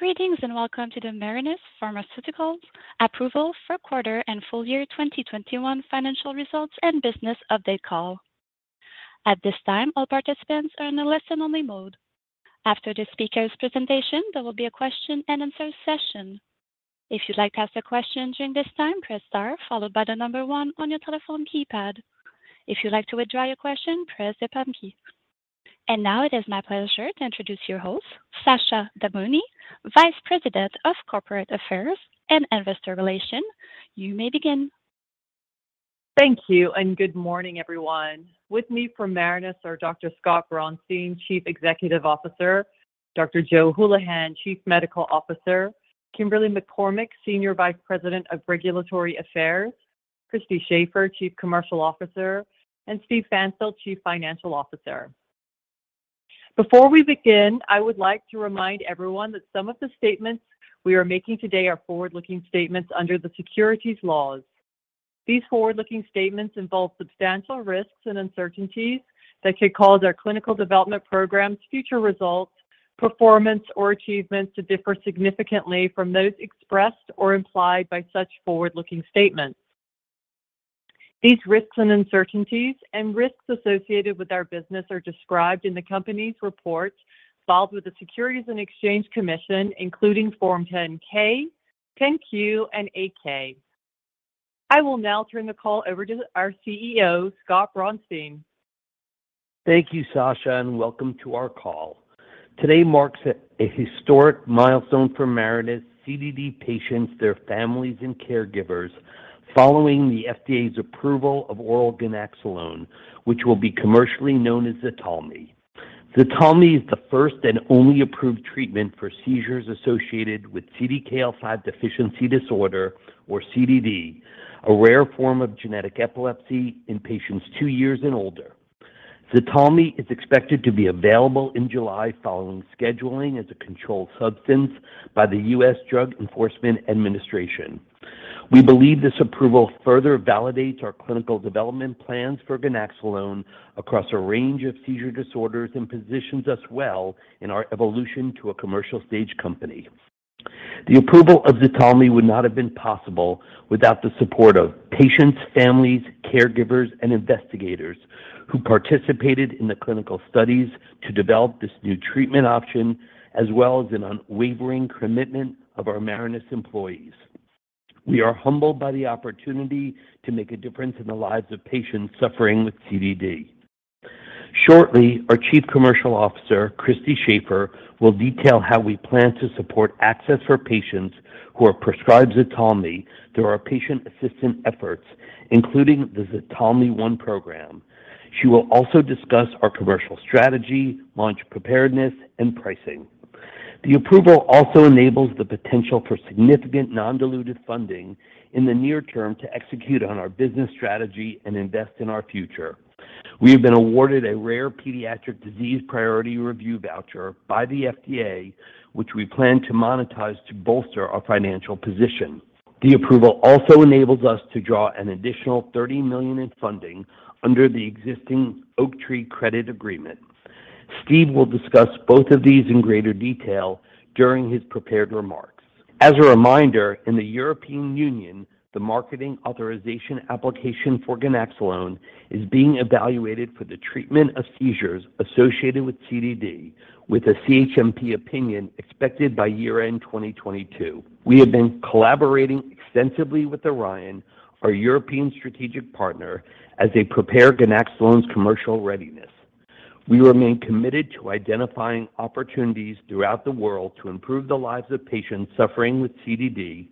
Greetings and welcome to the Marinus Pharmaceuticals Fourth Quarter and Full Year 2021 Financial Results and Business Update Call. At this time, all participants are in a listen-only mode. After the speaker's presentation, there will be a question and answer session. If you'd like to ask a question during this time, press star followed by the number one on your telephone keypad. If you'd like to withdraw your question, press the pound key. Now it is my pleasure to introduce your host, Sasha Damouni, Vice President of Corporate Affairs and Investor Relations. You may begin. Thank you and good morning, everyone. With me from Marinus are Dr. Scott Braunstein, Chief Executive Officer, Dr. Joe Hulihan, Chief Medical Officer, Kimberly McCormick, Senior Vice President of Regulatory Affairs, Christy Shafer, Chief Commercial Officer, and Steve Pfanstiel, Chief Financial Officer. Before we begin, I would like to remind everyone that some of the statements we are making today are forward-looking statements under the securities laws. These forward-looking statements involve substantial risks and uncertainties that could cause our clinical development programs, future results, performance, or achievements to differ significantly from those expressed or implied by such forward-looking statements. These risks and uncertainties and risks associated with our business are described in the company's reports filed with the Securities and Exchange Commission, including Form 10-K, 10-Q and 8-K. I will now turn the call over to our CEO, Scott Braunstein. Thank you, Sasha, and welcome to our call. Today marks a historic milestone for Marinus CDD patients, their families, and caregivers following the FDA's approval of oral ganaxolone, which will be commercially known as ZTALMY. ZTALMY is the first and only approved treatment for seizures associated with CDKL5 deficiency disorder or CDD, a rare form of genetic epilepsy in patients two years and older. ZTALMY is expected to be available in July following scheduling as a controlled substance by the U.S. Drug Enforcement Administration. We believe this approval further validates our clinical development plans for ganaxolone across a range of seizure disorders and positions us well in our evolution to a commercial stage company. The approval of ZTALMY would not have been possible without the support of patients, families, caregivers, and investigators who participated in the clinical studies to develop this new treatment option, as well as an unwavering commitment of our Marinus employees. We are humbled by the opportunity to make a difference in the lives of patients suffering with CDD. Shortly, our Chief Commercial Officer, Christy Shafer, will detail how we plan to support access for patients who are prescribed ZTALMY through our patient assistance efforts, including the ZTALMY One program. She will also discuss our commercial strategy, launch preparedness, and pricing. The approval also enables the potential for significant non-dilutive funding in the near term to execute on our business strategy and invest in our future. We have been awarded a rare pediatric disease priority review voucher by the FDA, which we plan to monetize to bolster our financial position. The approval also enables us to draw an additional $30 million in funding under the existing Oaktree credit agreement. Steve will discuss both of these in greater detail during his prepared remarks. As a reminder, in the European Union, the Marketing Authorisation Application for ganaxolone is being evaluated for the treatment of seizures associated with CDD with a CHMP opinion expected by year-end 2022. We have been collaborating extensively with Orion, our European strategic partner, as they prepare ganaxolone's commercial readiness. We remain committed to identifying opportunities throughout the world to improve the lives of patients suffering with CDD,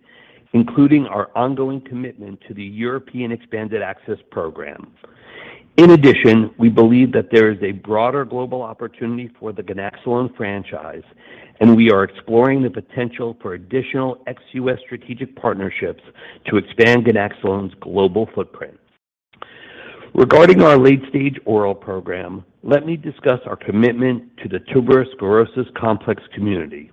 including our ongoing commitment to the European Expanded Access program. In addition, we believe that there is a broader global opportunity for the ganaxolone franchise, and we are exploring the potential for additional ex-U.S. strategic partnerships to expand ganaxolone's global footprint. Regarding our late-stage oral program, let me discuss our commitment to the tuberous sclerosis complex community.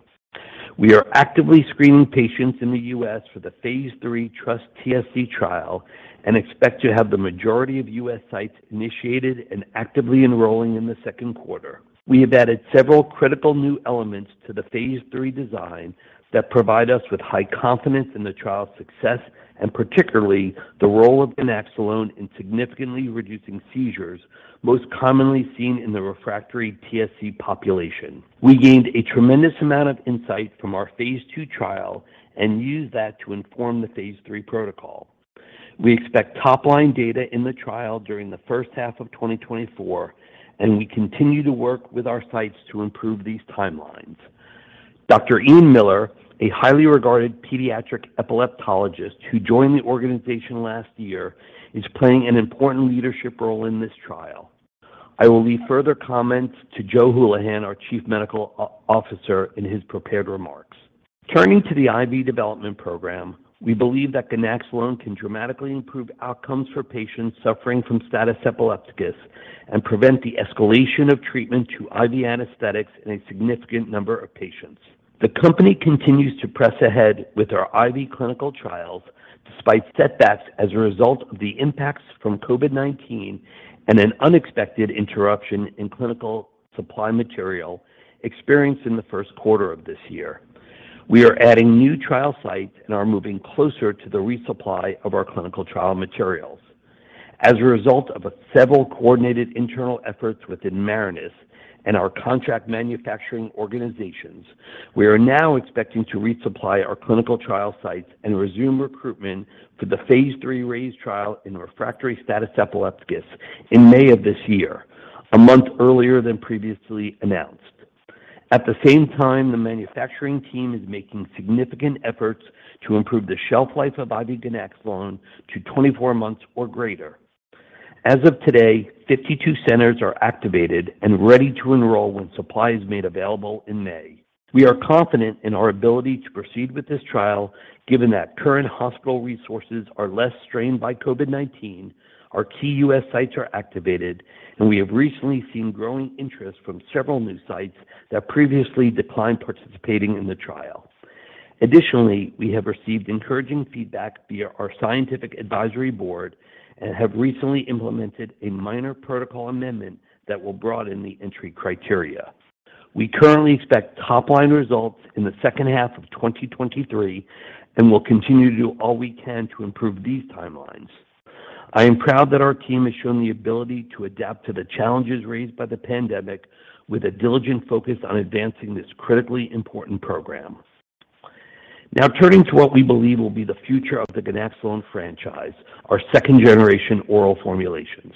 We are actively screening patients in the U.S. for the phase III TrustTSC trial and expect to have the majority of U.S. sites initiated and actively enrolling in the second quarter. We have added several critical new elements to the phase III design that provide us with high confidence in the trial's success, and particularly the role of ganaxolone in significantly reducing seizures most commonly seen in the refractory TSC population. We gained a tremendous amount of insight from our phase II trial and used that to inform the phase III protocol. We expect top-line data in the trial during the first half of 2024, and we continue to work with our sites to improve these timelines. Dr. Ian Miller, a highly regarded pediatric epileptologist who joined the organization last year, is playing an important leadership role in this trial. I will leave further comments to Joe Hulihan, our Chief Medical Officer, in his prepared remarks. Turning to the IV development program, we believe that ganaxolone can dramatically improve outcomes for patients suffering from status epilepticus and prevent the escalation of treatment to IV anesthetics in a significant number of patients. The company continues to press ahead with our IV clinical trials despite setbacks as a result of the impacts from COVID-19 and an unexpected interruption in clinical supply material experienced in the first quarter of this year. We are adding new trial sites and are moving closer to the resupply of our clinical trial materials. As a result of several coordinated internal efforts within Marinus and our contract manufacturing organizations, we are now expecting to resupply our clinical trial sites and resume recruitment for the phase III RAISE trial in refractory status epilepticus in May of this year, a month earlier than previously announced. At the same time, the manufacturing team is making significant efforts to improve the shelf life of IV ganaxolone to 24 months or greater. As of today, 52 centers are activated and ready to enroll when supply is made available in May. We are confident in our ability to proceed with this trial, given that current hospital resources are less strained by COVID-19, our key U.S. sites are activated, and we have recently seen growing interest from several new sites that previously declined participating in the trial. Additionally, we have received encouraging feedback via our scientific advisory board and have recently implemented a minor protocol amendment that will broaden the entry criteria. We currently expect top-line results in the second half of 2023 and will continue to do all we can to improve these timelines. I am proud that our team has shown the ability to adapt to the challenges raised by the pandemic with a diligent focus on advancing this critically important program. Now turning to what we believe will be the future of the ganaxolone franchise, our second-generation oral formulations.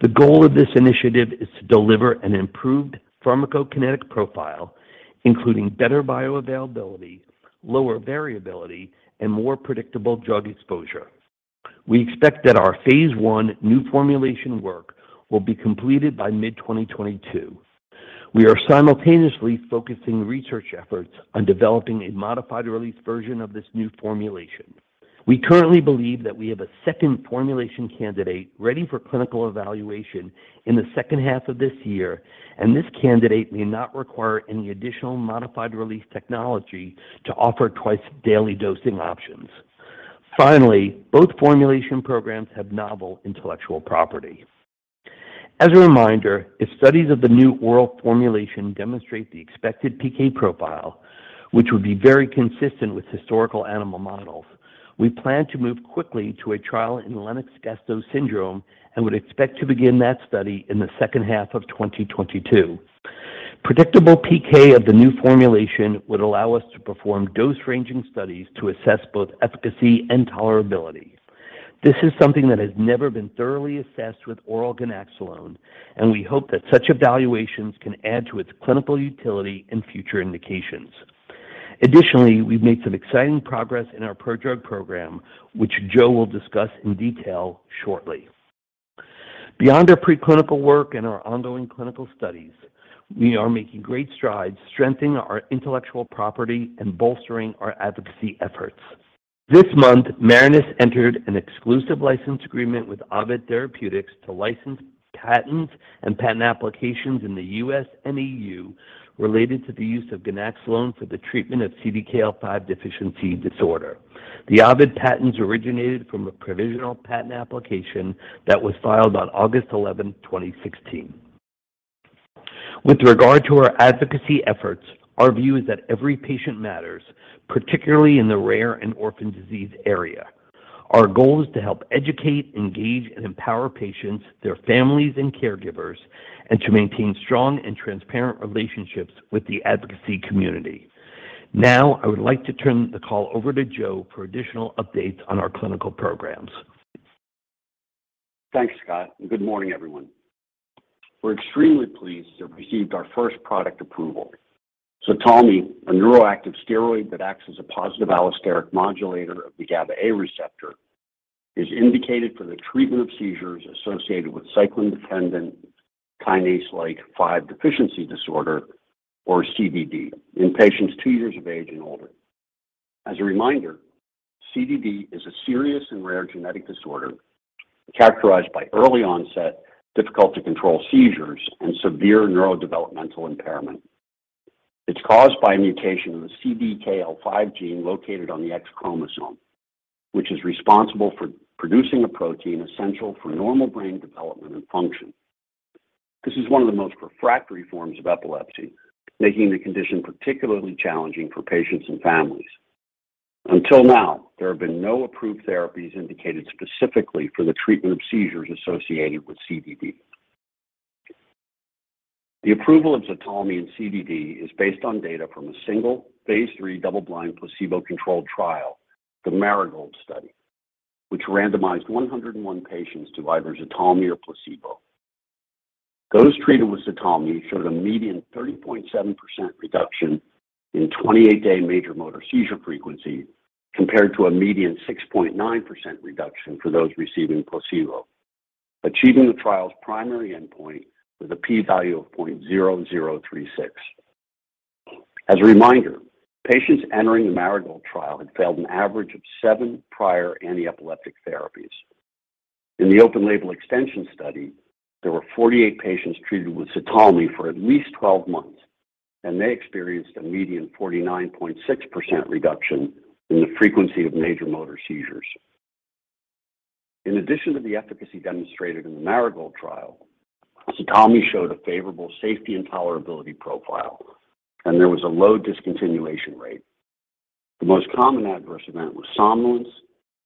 The goal of this initiative is to deliver an improved pharmacokinetic profile, including better bioavailability, lower variability, and more predictable drug exposure. We expect that our phase I new formulation work will be completed by mid-2022. We are simultaneously focusing research efforts on developing a modified release version of this new formulation. We currently believe that we have a second formulation candidate ready for clinical evaluation in the second half of this year, and this candidate may not require any additional modified release technology to offer twice-daily dosing options. Finally, both formulation programs have novel intellectual property. As a reminder, if studies of the new oral formulation demonstrate the expected PK profile, which would be very consistent with historical animal models, we plan to move quickly to a trial in Lennox-Gastaut syndrome and would expect to begin that study in the second half of 2022. Predictable PK of the new formulation would allow us to perform dose-ranging studies to assess both efficacy and tolerability. This is something that has never been thoroughly assessed with oral ganaxolone, and we hope that such evaluations can add to its clinical utility in future indications. Additionally, we've made some exciting progress in our pro-drug program, which Joe will discuss in detail shortly. Beyond our preclinical work and our ongoing clinical studies, we are making great strides strengthening our intellectual property and bolstering our advocacy efforts. This month, Marinus entered an exclusive license agreement with Ovid Therapeutics to license patents and patent applications in the U.S. and EU related to the use of ganaxolone for the treatment of CDKL5 deficiency disorder. The Ovid patents originated from a provisional patent application that was filed on August 11, 2016. With regard to our advocacy efforts, our view is that every patient matters, particularly in the rare and orphan disease area. Our goal is to help educate, engage, and empower patients, their families, and caregivers, and to maintain strong and transparent relationships with the advocacy community. Now, I would like to turn the call over to Joe for additional updates on our clinical programs. Thanks, Scott, and good morning, everyone. We're extremely pleased to have received our first product approval. ZTALMY, a neuroactive steroid that acts as a positive allosteric modulator of the GABA-A receptor, is indicated for the treatment of seizures associated with cyclin-dependent kinase-like 5 deficiency disorder, or CDD, in patients two years of age and older. As a reminder, CDD is a serious and rare genetic disorder characterized by early onset, difficult to control seizures, and severe neurodevelopmental impairment. It's caused by a mutation of the CDKL5 gene located on the X chromosome, which is responsible for producing a protein essential for normal brain development and function. This is one of the most refractory forms of epilepsy, making the condition particularly challenging for patients and families. Until now, there have been no approved therapies indicated specifically for the treatment of seizures associated with CDD. The approval of ZTALMY in CDD is based on data from a single phase III double-blind placebo-controlled trial, the Marigold study, which randomized 101 patients to either ZTALMY or placebo. Those treated with ZTALMY showed a median 30.7% reduction in 28-day major motor seizure frequency compared to a median 6.9% reduction for those receiving placebo, achieving the trial's primary endpoint with a p-value of 0.0036. Patients entering the Marigold trial had failed an average of seven prior antiepileptic therapies. In the open label extension study, there were 48 patients treated with ZTALMY for at least 12 months, and they experienced a median 49.6% reduction in the frequency of major motor seizures. In addition to the efficacy demonstrated in the Marigold trial, ZTALMY showed a favorable safety and tolerability profile, and there was a low discontinuation rate. The most common adverse event was somnolence.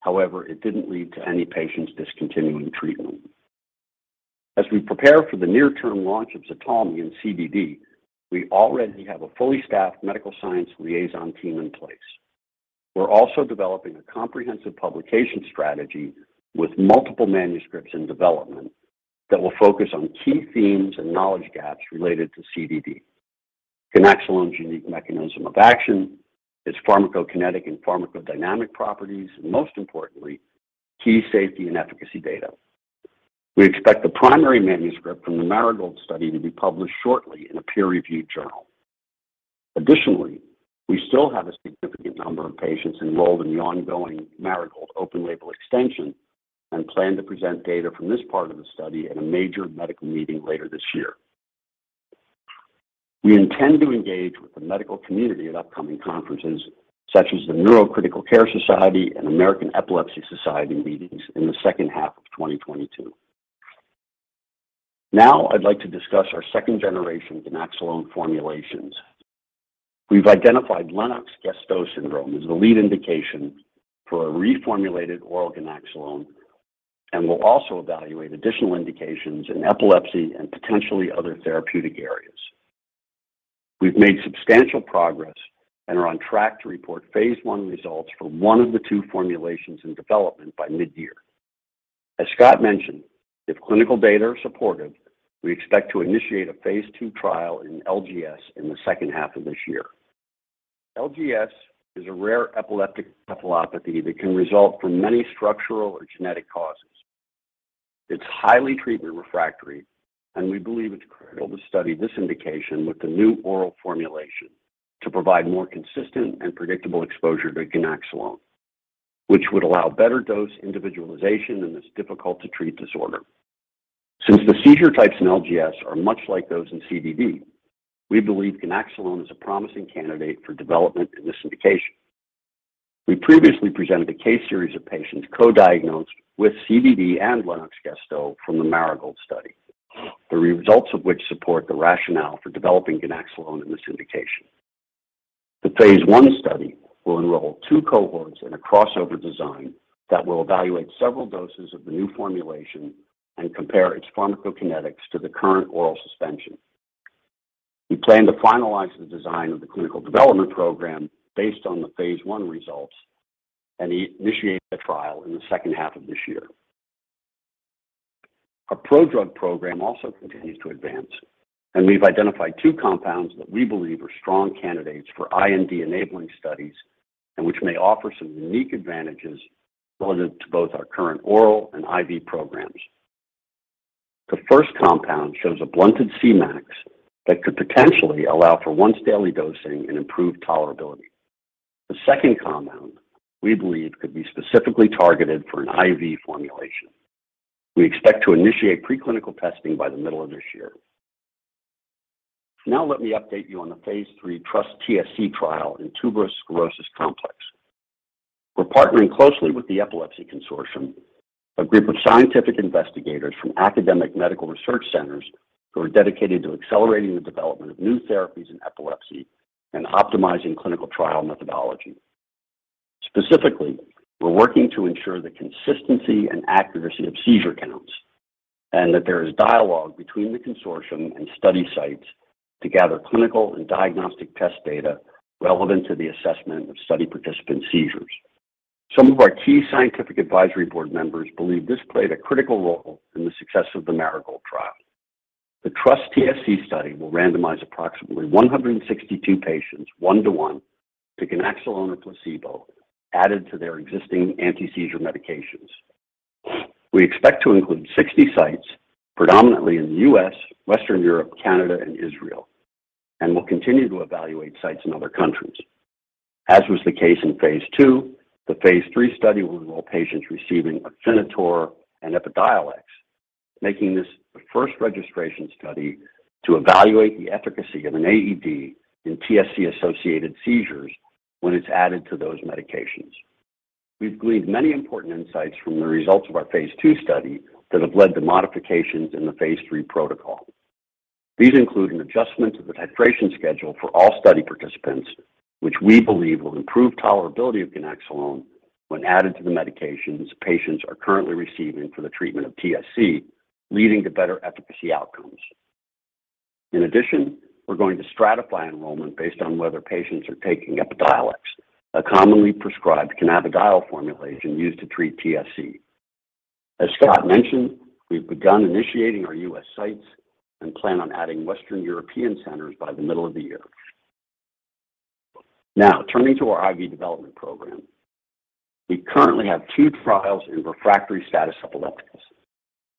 However, it didn't lead to any patients discontinuing treatment. As we prepare for the near-term launch of ZTALMY in CDD, we already have a fully staffed medical science liaison team in place. We're also developing a comprehensive publication strategy with multiple manuscripts in development that will focus on key themes and knowledge gaps related to CDD, ganaxolone's unique mechanism of action, its pharmacokinetic and pharmacodynamic properties, and most importantly, key safety and efficacy data. We expect the primary manuscript from the Marigold study to be published shortly in a peer-reviewed journal. Additionally, we still have a significant number of patients enrolled in the ongoing Marigold open-label extension and plan to present data from this part of the study at a major medical meeting later this year. We intend to engage with the medical community at upcoming conferences, such as the Neurocritical Care Society and American Epilepsy Society meetings in the second half of 2022. Now, I'd like to discuss our second-generation ganaxolone formulations. We've identified Lennox-Gastaut syndrome as the lead indication for a reformulated oral ganaxolone and will also evaluate additional indications in epilepsy and potentially other therapeutic areas. We've made substantial progress and are on track to report phase I results for one of the two formulations in development by mid-year. As Scott mentioned, if clinical data are supportive, we expect to initiate a phase II trial in LGS in the second half of this year. LGS is a rare epileptic encephalopathy that can result from many structural or genetic causes. It's highly treatment refractory, and we believe it's critical to study this indication with the new oral formulation to provide more consistent and predictable exposure to ganaxolone, which would allow better dose individualization in this difficult-to-treat disorder. Since the seizure types in LGS are much like those in CDD, we believe ganaxolone is a promising candidate for development in this indication. We previously presented a case series of patients co-diagnosed with CDD and Lennox-Gastaut from the Marigold study, the results of which support the rationale for developing ganaxolone in this indication. The phase I study will enroll two cohorts in a crossover design that will evaluate several doses of the new formulation and compare its pharmacokinetics to the current oral suspension. We plan to finalize the design of the clinical development program based on the phase I results and initiate the trial in the second half of this year. Our pro-drug program also continues to advance, and we've identified two compounds that we believe are strong candidates for IND-enabling studies and which may offer some unique advantages relative to both our current oral and IV programs. The first compound shows a blunted Cmax that could potentially allow for once-daily dosing and improved tolerability. The second compound, we believe, could be specifically targeted for an IV formulation. We expect to initiate preclinical testing by the middle of this year. Now let me update you on the phase III TrustTSC trial in tuberous sclerosis complex. We're partnering closely with the Epilepsy Study Consortium, a group of scientific investigators from academic medical research centers who are dedicated to accelerating the development of new therapies in epilepsy and optimizing clinical trial methodology. Specifically, we're working to ensure the consistency and accuracy of seizure counts and that there is dialogue between the Consortium and study sites to gather clinical and diagnostic test data relevant to the assessment of study participant seizures. Some of our key scientific advisory board members believe this played a critical role in the success of the Marigold trial. The TrustTSC study will randomize approximately 162 patients, one-to-one, to ganaxolone or placebo added to their existing anti-seizure medications. We expect to include 60 sites, predominantly in the U.S., Western Europe, Canada, and Israel, and will continue to evaluate sites in other countries. As was the case in phase II, the phase III study will enroll patients receiving Afinitor and Epidiolex, making this the first registration study to evaluate the efficacy of an AED in TSC-associated seizures when it's added to those medications. We've gleaned many important insights from the results of our phase II study that have led to modifications in the phase III protocol. These include an adjustment to the titration schedule for all study participants, which we believe will improve tolerability of ganaxolone when added to the medications patients are currently receiving for the treatment of TSC, leading to better efficacy outcomes. In addition, we're going to stratify enrollment based on whether patients are taking Epidiolex, a commonly prescribed cannabidiol formulation used to treat TSC. As Scott mentioned, we've begun initiating our U.S. sites and plan on adding Western European centers by the middle of the year. Now, turning to our IV development program. We currently have two trials in refractory status epilepticus.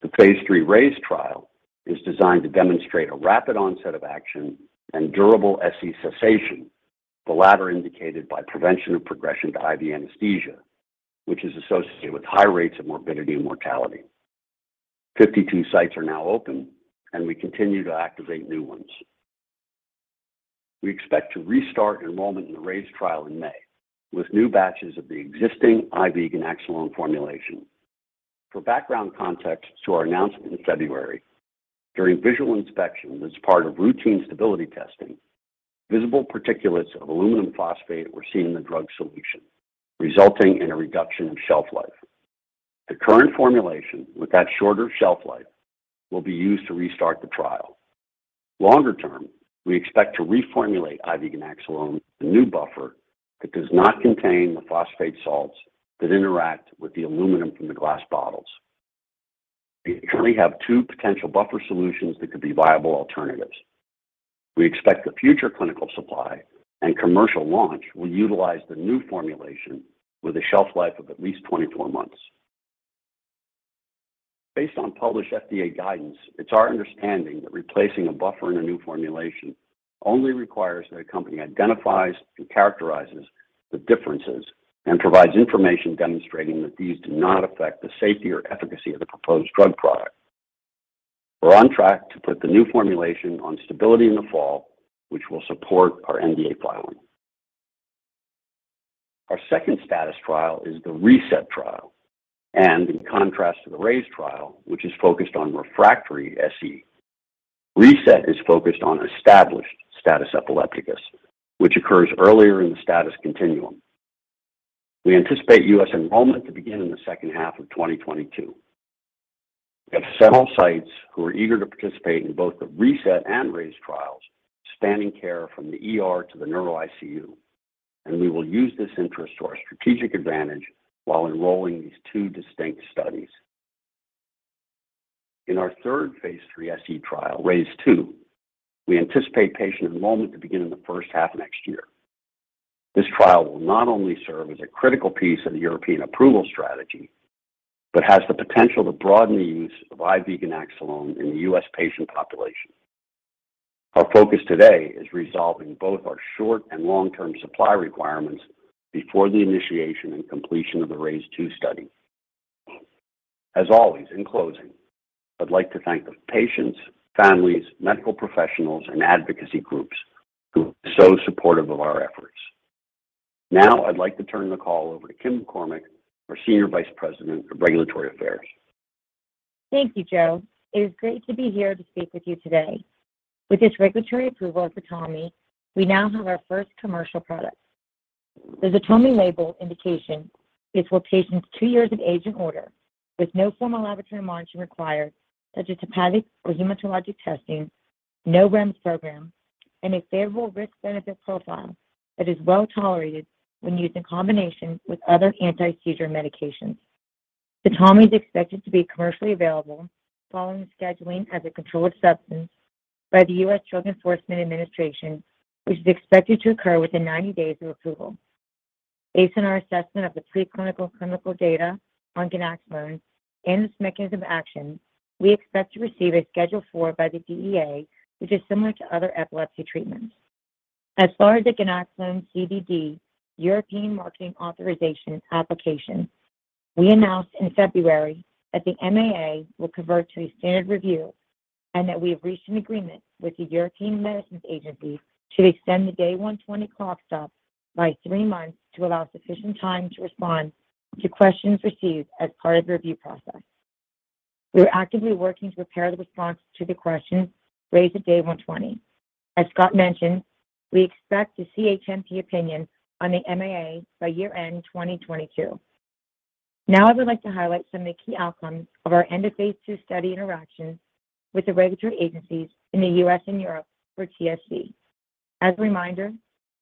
The phase III RAISE trial is designed to demonstrate a rapid onset of action and durable SE cessation, the latter indicated by prevention of progression to IV anesthesia, which is associated with high rates of morbidity and mortality. 52 sites are now open, and we continue to activate new ones. We expect to restart enrollment in the RAISE trial in May with new batches of the existing IV ganaxolone formulation. For background context to our announcement in February, during visual inspection as part of routine stability testing, visible particulates of aluminum phosphate were seen in the drug solution, resulting in a reduction in shelf life. The current formulation with that shorter shelf life will be used to restart the trial. Longer term, we expect to reformulate IV ganaxolone with a new buffer that does not contain the phosphate salts that interact with the aluminum from the glass bottles. We currently have two potential buffer solutions that could be viable alternatives. We expect the future clinical supply and commercial launch will utilize the new formulation with a shelf life of at least 24 months. Based on published FDA guidance, it's our understanding that replacing a buffer in a new formulation only requires that a company identifies and characterizes the differences and provides information demonstrating that these do not affect the safety or efficacy of the proposed drug product. We're on track to put the new formulation on stability in the fall, which will support our NDA filing. Our second status trial is the RESET trial, and in contrast to the RAISE trial, which is focused on refractory SE, RESET is focused on established status epilepticus, which occurs earlier in the status continuum. We anticipate U.S. enrollment to begin in the second half of 2022. We have several sites who are eager to participate in both the RESET and RAISE trials, spanning care from the ER to the neuro ICU, and we will use this interest to our strategic advantage while enrolling these two distinct studies. In our third phase III SE trial, RAISE II, we anticipate patient enrollment to begin in the first half of next year. This trial will not only serve as a critical piece of the European approval strategy, but has the potential to broaden the use of IV ganaxolone in the U.S. patient population. Our focus today is resolving both our short and long-term supply requirements before the initiation and completion of the RAISE II study. As always, in closing, I'd like to thank the patients, families, medical professionals, and advocacy groups who are so supportive of our efforts. Now I'd like to turn the call over to Kim McCormick, our Senior Vice President of Regulatory Affairs. Thank you, Joe. It is great to be here to speak with you today. With this regulatory approval of ZTALMY, we now have our first commercial product. The ZTALMY label indication is for patients two years of age and older with no formal laboratory monitoring required, such as hepatic or hematologic testing, no REMS program, and a favorable risk-benefit profile that is well-tolerated when used in combination with other anti-seizure medications. ZTALMY is expected to be commercially available following the scheduling as a controlled substance by the U.S. Drug Enforcement Administration, which is expected to occur within 90 days of approval. Based on our assessment of the preclinical clinical data on ganaxolone and its mechanism of action, we expect to receive a Schedule IV by the DEA, which is similar to other epilepsy treatments. As far as the ganaxolone CDD European Marketing Authorization Application, we announced in February that the MAA will convert to a standard review and that we have reached an agreement with the European Medicines Agency to extend the day 120 clock stop by three months to allow sufficient time to respond to questions received as part of the review process. We are actively working to prepare the response to the questions raised at day 120. As Scott mentioned, we expect the CHMP opinion on the MAA by year-end 2022. Now I would like to highlight some of the key outcomes of our end-of-phase II study interactions with the regulatory agencies in the U.S. and Europe for TSC. As a reminder,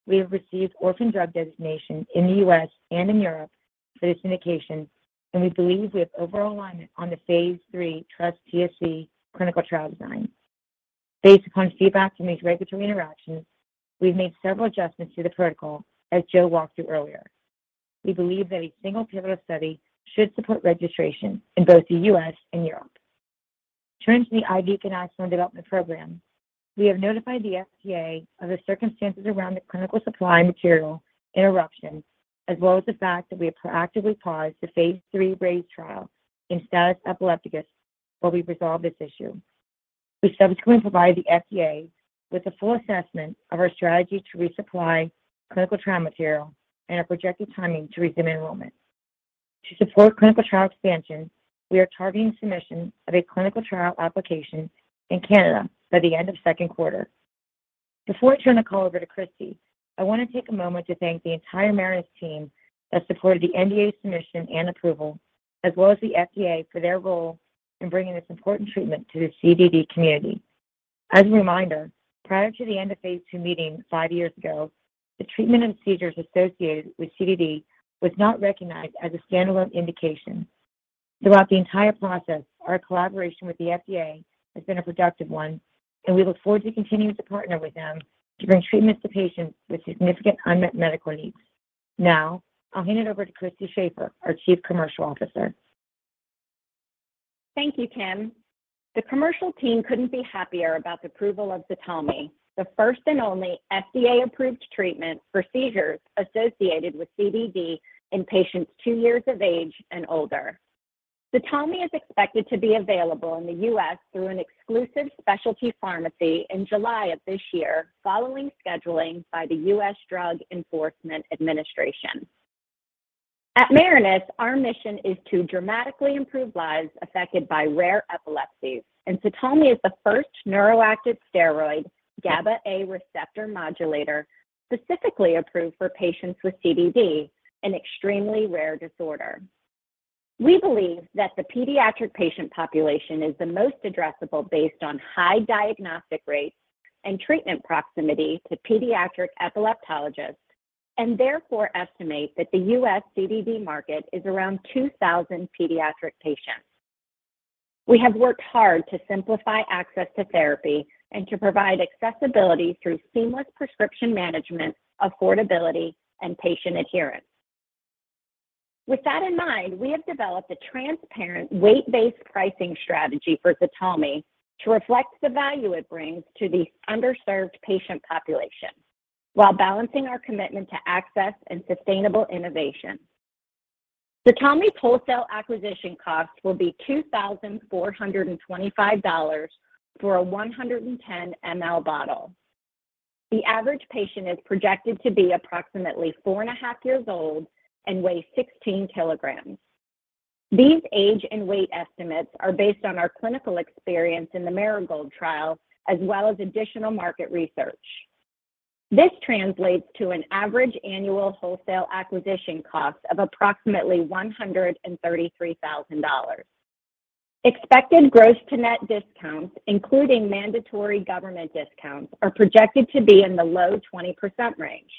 we have received orphan drug designation in the U.S. and in Europe for this indication, and we believe we have overall alignment on the phase III TrustTSC clinical trial design. Based upon feedback from these regulatory interactions, we've made several adjustments to the protocol, as Joe walked through earlier. We believe that a single pivotal study should support registration in both the U.S. and Europe. Turning to the IV ganaxolone development program, we have notified the FDA of the circumstances around the clinical supply material interruption, as well as the fact that we have proactively paused the phase III RAISE trial in status epilepticus while we resolve this issue. We subsequently provided the FDA with a full assessment of our strategy to resupply clinical trial material and our projected timing to resume enrollment. To support clinical trial expansion, we are targeting submission of a clinical trial application in Canada by the end of second quarter. Before I turn the call over to Christy, I want to take a moment to thank the entire Marinus team that supported the NDA submission and approval, as well as the FDA for their role in bringing this important treatment to the CDD community. As a reminder, prior to the end of phase II meeting five years ago, the treatment of seizures associated with CDD was not recognized as a standalone indication. Throughout the entire process, our collaboration with the FDA has been a productive one, and we look forward to continuing to partner with them to bring treatments to patients with significant unmet medical needs. Now, I'll hand it over to Christy Shafer, our Chief Commercial Officer. Thank you, Kim. The commercial team couldn't be happier about the approval of ZTALMY, the first and only FDA-approved treatment for seizures associated with CDD in patients two years of age and older. ZTALMY is expected to be available in the U.S. through an exclusive specialty pharmacy in July of this year following scheduling by the U.S. Drug Enforcement Administration. At Marinus, our mission is to dramatically improve lives affected by rare epilepsies, and ZTALMY is the first neuroactive steroid GABA-A receptor modulator specifically approved for patients with CDD, an extremely rare disorder. We believe that the pediatric patient population is the most addressable based on high diagnostic rates and treatment proximity to pediatric epileptologists, and therefore estimate that the U.S. CDD market is around 2,000 pediatric patients. We have worked hard to simplify access to therapy and to provide accessibility through seamless prescription management, affordability, and patient adherence. With that in mind, we have developed a transparent weight-based pricing strategy for ZTALMY to reflect the value it brings to these underserved patient populations while balancing our commitment to access and sustainable innovation. ZTALMY wholesale acquisition cost will be $2,425 for a 110 mL bottle. The average patient is projected to be approximately 4.5 years old and weigh 16 kg. These age and weight estimates are based on our clinical experience in the Marigold trial as well as additional market research. This translates to an average annual wholesale acquisition cost of approximately $133,000. Expected gross to net discounts, including mandatory government discounts, are projected to be in the low 20% range.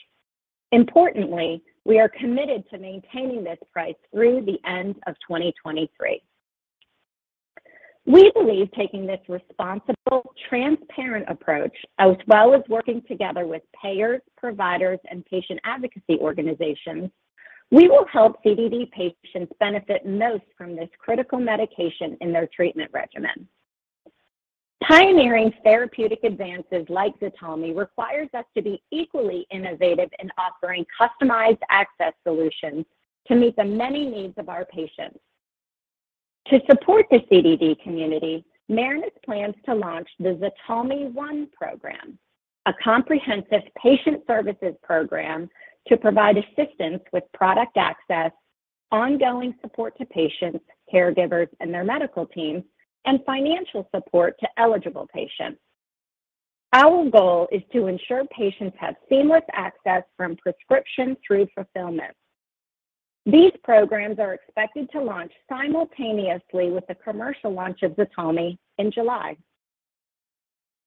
Importantly, we are committed to maintaining this price through the end of 2023. We believe taking this responsible, transparent approach as well as working together with payers, providers, and patient advocacy organizations, we will help CDD patients benefit most from this critical medication in their treatment regimen. Pioneering therapeutic advances like ZTALMY requires us to be equally innovative in offering customized access solutions to meet the many needs of our patients. To support the CDD community, Marinus plans to launch the ZTALMY One program, a comprehensive patient services program to provide assistance with product access, ongoing support to patients, caregivers, and their medical teams, and financial support to eligible patients. Our goal is to ensure patients have seamless access from prescription through fulfillment. These programs are expected to launch simultaneously with the commercial launch of ZTALMY in July.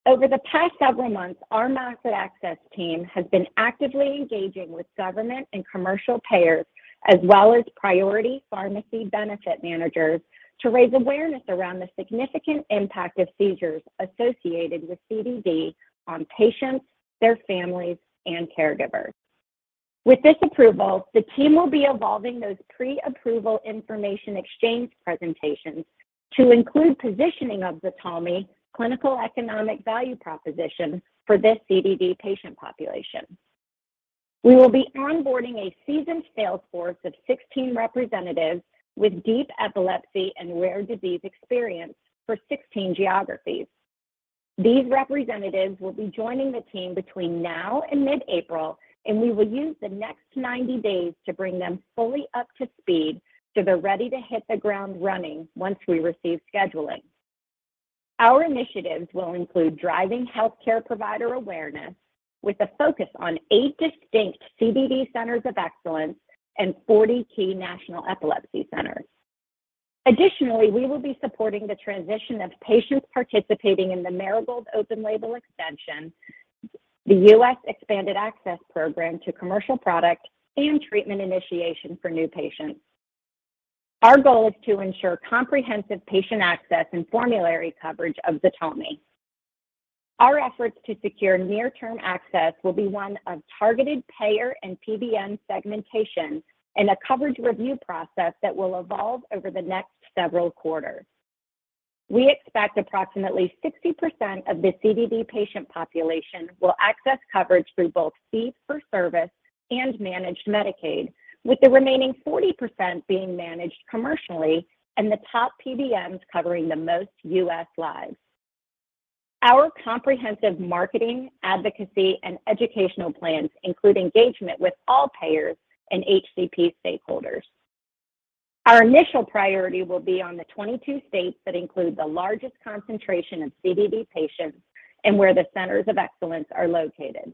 Over the past several months, our market access team has been actively engaging with government and commercial payers as well as priority pharmacy benefit managers to raise awareness around the significant impact of seizures associated with CDD on patients, their families, and caregivers. With this approval, the team will be evolving those pre-approval information exchange presentations to include positioning of ZTALMY clinical economic value proposition for this CDD patient population. We will be onboarding a seasoned sales force of 16 representatives with deep epilepsy and rare disease experience for 16 geographies. These representatives will be joining the team between now and mid-April, and we will use the next 90 days to bring them fully up to speed so they're ready to hit the ground running once we receive scheduling. Our initiatives will include driving healthcare provider awareness with a focus on eight distinct CDD centers of excellence and 40 key national epilepsy centers. Additionally, we will be supporting the transition of patients participating in the Marigold open-label extension, the U.S. Expanded Access Program to commercial product and treatment initiation for new patients. Our goal is to ensure comprehensive patient access and formulary coverage of ZTALMY. Our efforts to secure near-term access will be on targeted payer and PBM segmentation and a coverage review process that will evolve over the next several quarters. We expect approximately 60% of the CDD patient population will access coverage through both fee-for-service and managed Medicaid, with the remaining 40% being managed commercially and the top PBMs covering the most U.S. lives. Our comprehensive marketing, advocacy, and educational plans include engagement with all payers and HCP stakeholders. Our initial priority will be on the 22 states that include the largest concentration of CDD patients and where the centers of excellence are located.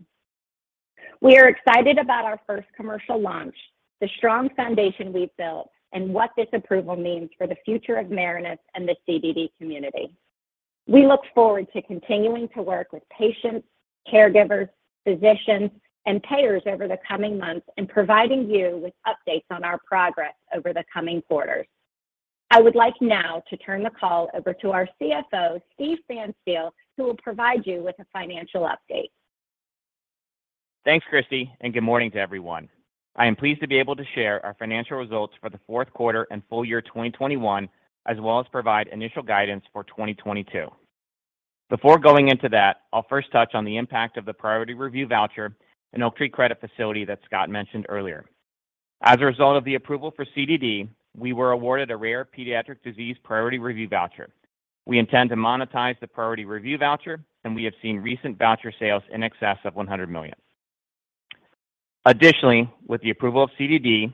We are excited about our first commercial launch, the strong foundation we've built, and what this approval means for the future of Marinus and the CDD community. We look forward to continuing to work with patients, caregivers, physicians, and payers over the coming months and providing you with updates on our progress over the coming quarters. I would like now to turn the call over to our CFO, Steve Pfanstiel, who will provide you with a financial update. Thanks, Christy, and good morning to everyone. I am pleased to be able to share our financial results for the fourth quarter and full year 2021, as well as provide initial guidance for 2022. Before going into that, I'll first touch on the impact of the priority review voucher and Oaktree credit facility that Scott mentioned earlier. As a result of the approval for CDD, we were awarded a rare pediatric disease priority review voucher. We intend to monetize the priority review voucher, and we have seen recent voucher sales in excess of $100 million. Additionally, with the approval of CDD,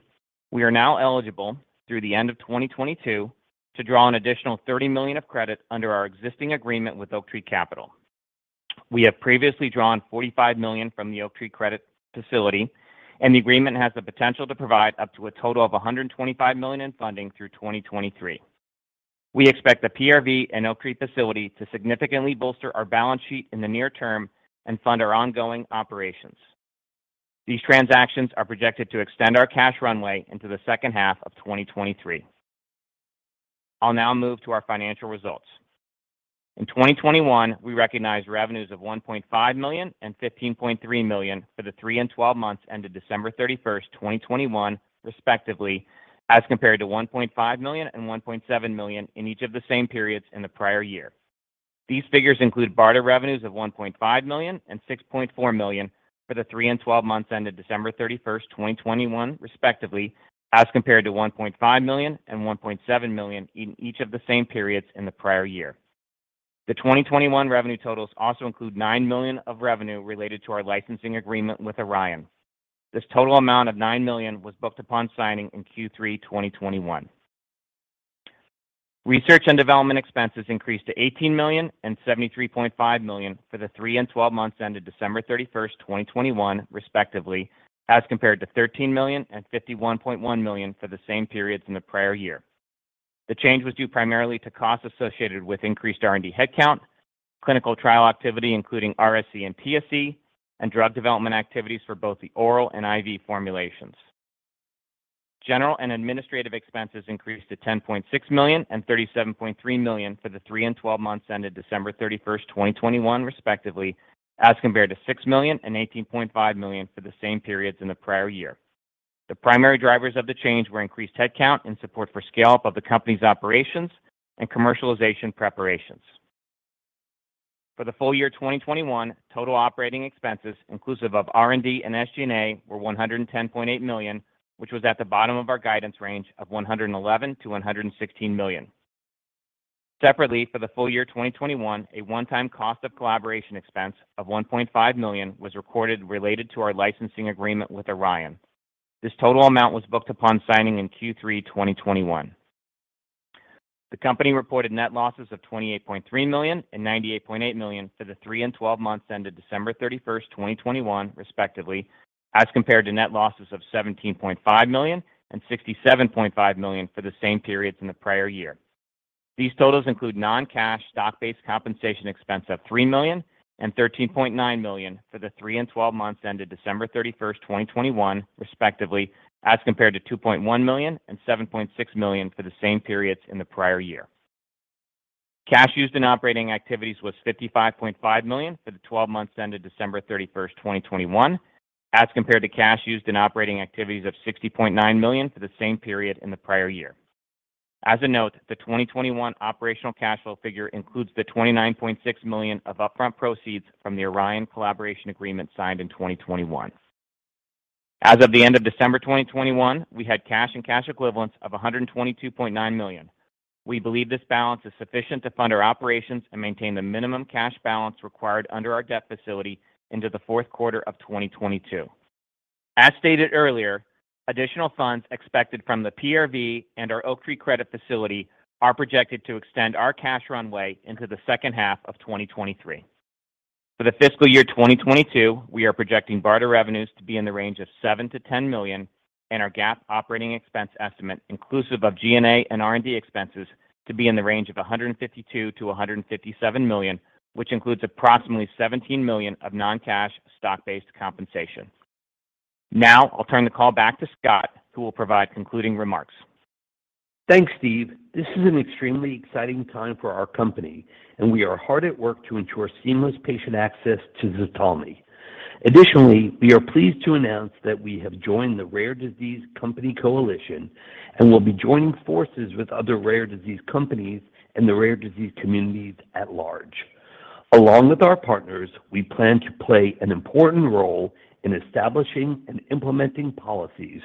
we are now eligible through the end of 2022 to draw an additional $30 million of credit under our existing agreement with Oaktree Capital. We have previously drawn $45 million from the Oaktree credit facility, and the agreement has the potential to provide up to a total of $125 million in funding through 2023. We expect the PRV and Oaktree facility to significantly bolster our balance sheet in the near term and fund our ongoing operations. These transactions are projected to extend our cash runway into the second half of 2023. I'll now move to our financial results. In 2021, we recognized revenues of $1.5 million and $15.3 million for the three and twelve months ended December 31, 2021, respectively, as compared to $1.5 million and $1.7 million in each of the same periods in the prior year. These figures include BARDA revenues of $1.5 million and $6.4 million for the three and twelve months ended December 31, 2021, respectively, as compared to $1.5 million and $1.7 million in each of the same periods in the prior year. The 2021 revenue totals also include $9 million of revenue related to our licensing agreement with Orion. This total amount of $9 million was booked upon signing in Q3 2021. Research and development expenses increased to $18 million and $73.5 million for the three and twelve months ended December 31, 2021, respectively, as compared to $13 million and $51.1 million for the same periods in the prior year. The change was due primarily to costs associated with increased R&D headcount, clinical trial activity including RSE and TSC, and drug development activities for both the oral and IV formulations. General and administrative expenses increased to $10.6 million and $37.3 million for the three and 12 months ended December 31, 2021, respectively, as compared to $6 million and $18.5 million for the same periods in the prior year. The primary drivers of the change were increased headcount and support for scale of the company's operations and commercialization preparations. For the full year 2021, total operating expenses inclusive of R&D and SG&A were $110.8 million, which was at the bottom of our guidance range of $111 million-$116 million. Separately, for the full year 2021, a one-time cost of collaboration expense of $1.5 million was recorded related to our licensing agreement with Orion. This total amount was booked upon signing in Q3 2021. The company reported net losses of $28.3 million and $98.8 million for the three and twelve months ended December 31, 2021, respectively, as compared to net losses of $17.5 million and $67.5 million for the same periods in the prior year. These totals include non-cash stock-based compensation expense of $3 million and $13.9 million for the three and twelve months ended December 31, 2021, respectively, as compared to $2.1 million and $7.6 million for the same periods in the prior year. Cash used in operating activities was $55.5 million for the twelve months ended December 31, 2021, as compared to cash used in operating activities of $60.9 million for the same period in the prior year. As a note, the 2021 operational cash flow figure includes the $29.6 million of upfront proceeds from the Orion collaboration agreement signed in 2021. As of the end of December 2021, we had cash and cash equivalents of $122.9 million. We believe this balance is sufficient to fund our operations and maintain the minimum cash balance required under our debt facility into the fourth quarter of 2022. As stated earlier, additional funds expected from the PRV and our Oaktree credit facility are projected to extend our cash runway into the second half of 2023. For the fiscal year 2022, we are projecting BARDA revenues to be in the range of $7 million-$10 million, and our GAAP operating expense estimate, inclusive of G&A and R&D expenses, to be in the range of $152 million-$157 million, which includes approximately $17 million of non-cash stock-based compensation. Now I'll turn the call back to Scott, who will provide concluding remarks. Thanks, Steve. This is an extremely exciting time for our company, and we are hard at work to ensure seamless patient access to ZTALMY. Additionally, we are pleased to announce that we have joined the Rare Disease Company Coalition and will be joining forces with other rare disease companies and the rare disease communities at large. Along with our partners, we plan to play an important role in establishing and implementing policies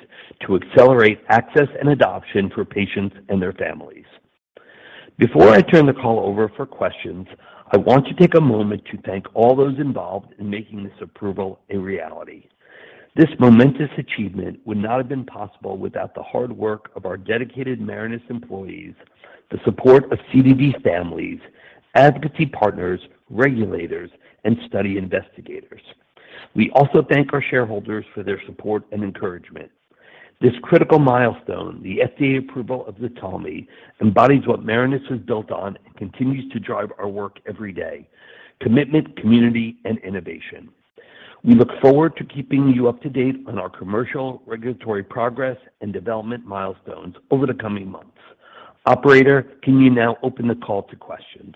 to accelerate access and adoption for patients and their families. Before I turn the call over for questions, I want to take a moment to thank all those involved in making this approval a reality. This momentous achievement would not have been possible without the hard work of our dedicated Marinus employees, the support of CDD families, advocacy partners, regulators, and study investigators. We also thank our shareholders for their support and encouragement. This critical milestone, the FDA approval of ZTALMY, embodies what Marinus was built on and continues to drive our work every day. Commitment, community, and innovation. We look forward to keeping you up to date on our commercial regulatory progress and development milestones over the coming months. Operator, can you now open the call to questions?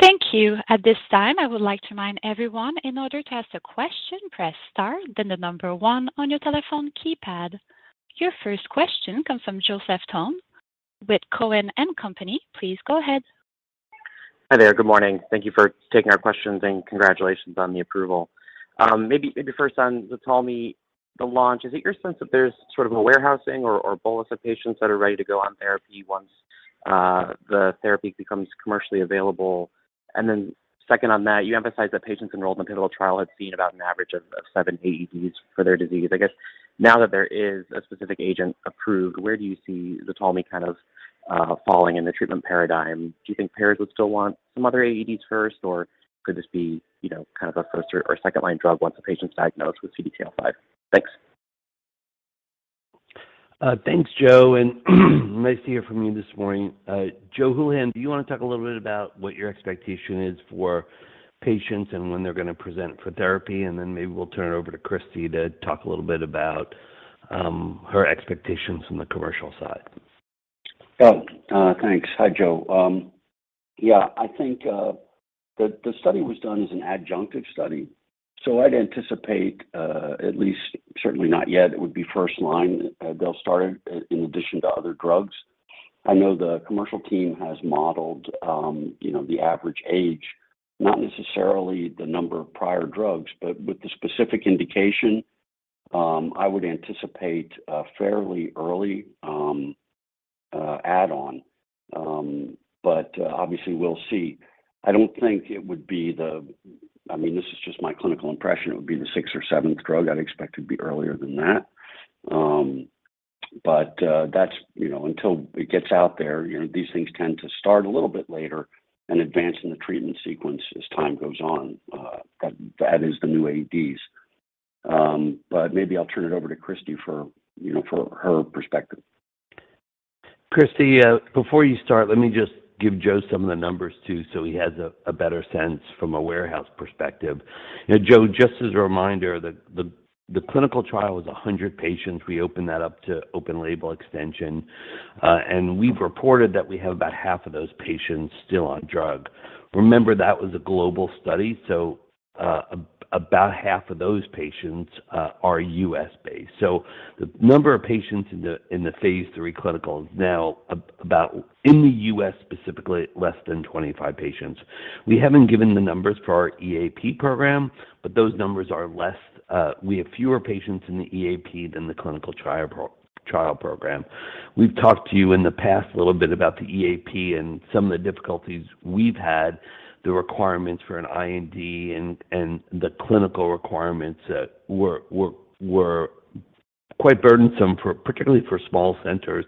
Thank you. At this time, I would like to remind everyone, in order to ask a question, press star, then the number one on your telephone keypad. Your first question comes from Joseph Thome with Cowen and Company. Please go ahead. Hi there. Good morning. Thank you for taking our questions, and congratulations on the approval. Maybe first on ZTALMY, the launch. Is it your sense that there's sort of a warehousing or bolus of patients that are ready to go on therapy once the therapy becomes commercially available? Second on that, you emphasize that patients enrolled in the pivotal trial had seen about an average of seven AEDs for their disease. I guess now that there is a specific agent approved, where do you see ZTALMY kind of falling in the treatment paradigm? Do you think payers would still want some other AEDs first, or could this be, you know, kind of a first or second-line drug once a patient's diagnosed with CDKL5? Thanks. Thanks, Joe, and nice to hear from you this morning. Joe Hulihan, do you wanna talk a little bit about what your expectation is for patients and when they're gonna present for therapy? Maybe we'll turn it over to Christy to talk a little bit about her expectations from the commercial side. Thanks. Hi, Joe. Yeah, I think the study was done as an adjunctive study, so I'd anticipate at least certainly not yet it would be first line. They'll start it in addition to other drugs. I know the commercial team has modeled, you know, the average age, not necessarily the number of prior drugs. But with the specific indication, I would anticipate a fairly early add-on. But obviously, we'll see. I don't think it would be. I mean, this is just my clinical impression. It would be the sixth or seventh drug. I'd expect it to be earlier than that. That's, you know, until it gets out there, you know, these things tend to start a little bit later and advance in the treatment sequence as time goes on, that is the new AEDs. Maybe I'll turn it over to Christy for, you know, for her perspective. Christy, before you start, let me just give Joe some of the numbers too so he has a better sense from a warehouse perspective. You know, Joe, just as a reminder, the clinical trial was 100 patients. We opened that up to open label extension. We've reported that we have about half of those patients still on drug. Remember, that was a global study, so about half of those patients are U.S.-based. So the number of patients in the phase III clinical is now about, in the U.S. specifically, less than 25 patients. We haven't given the numbers for our EAP program, but those numbers are less. We have fewer patients in the EAP than the clinical trial program. We've talked to you in the past a little bit about the EAP and some of the difficulties we've had, the requirements for an IND and the clinical requirements that were quite burdensome, particularly for small centers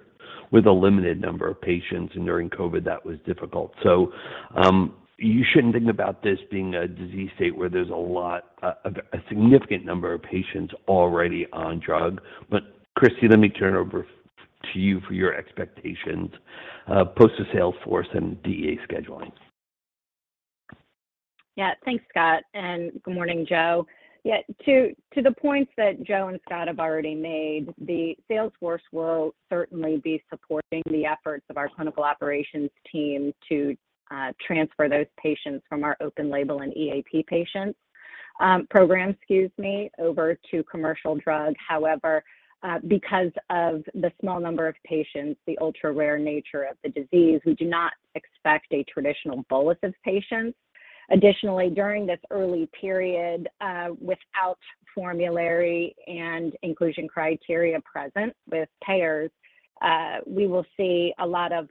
with a limited number of patients, and during COVID, that was difficult. You shouldn't think about this being a disease state where there's a lot, a significant number of patients already on drug. Christy, let me turn it over to you for your expectations post the sales force and DEA scheduling. Thanks, Scott, and good morning, Joe. To the points that Joe and Scott have already made, the sales force will certainly be supporting the efforts of our clinical operations team to transfer those patients from our open label and EAP patients program over to commercial drug. However, because of the small number of patients, the ultra-rare nature of the disease, we do not expect a traditional bolus of patients. Additionally, during this early period, without formulary and inclusion criteria present with payers, we will see a lot of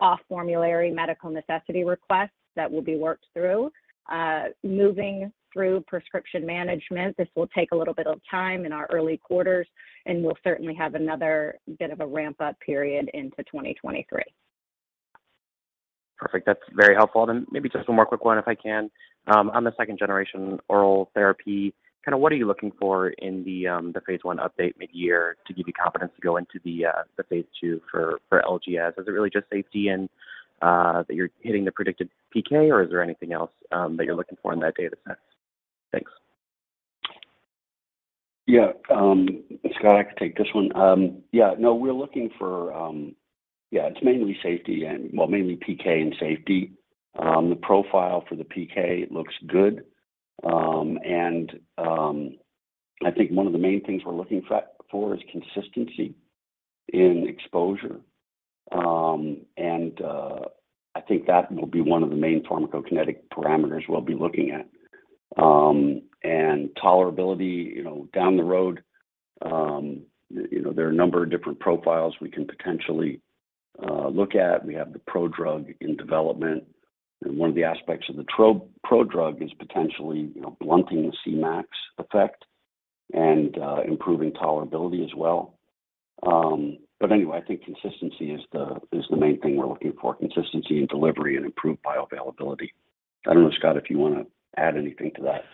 off-formulary medical necessity requests that will be worked through. Moving through prescription management, this will take a little bit of time in our early quarters, and we'll certainly have another bit of a ramp-up period into 2023. Perfect. That's very helpful. Maybe just one more quick one if I can. On the second-generation oral therapy, kinda what are you looking for in the phase I update midyear to give you confidence to go into the phase II for LGS? Is it really just safety and that you're hitting the predicted PK, or is there anything else that you're looking for in that data set? Thanks. Yeah. Scott, I can take this one. Yeah, no, we're looking for. Yeah, it's mainly safety and, well, mainly PK and safety. The profile for the PK looks good. I think one of the main things we're looking for is consistency in exposure. I think that will be one of the main pharmacokinetic parameters we'll be looking at. Tolerability, you know, down the road, you know, there are a number of different profiles we can potentially look at. We have the prodrug in development, and one of the aspects of the prodrug is potentially, you know, blunting the Cmax effect and improving tolerability as well. Anyway, I think consistency is the main thing we're looking for, consistency in delivery and improved bioavailability. I don't know, Scott, if you wanna add anything to that.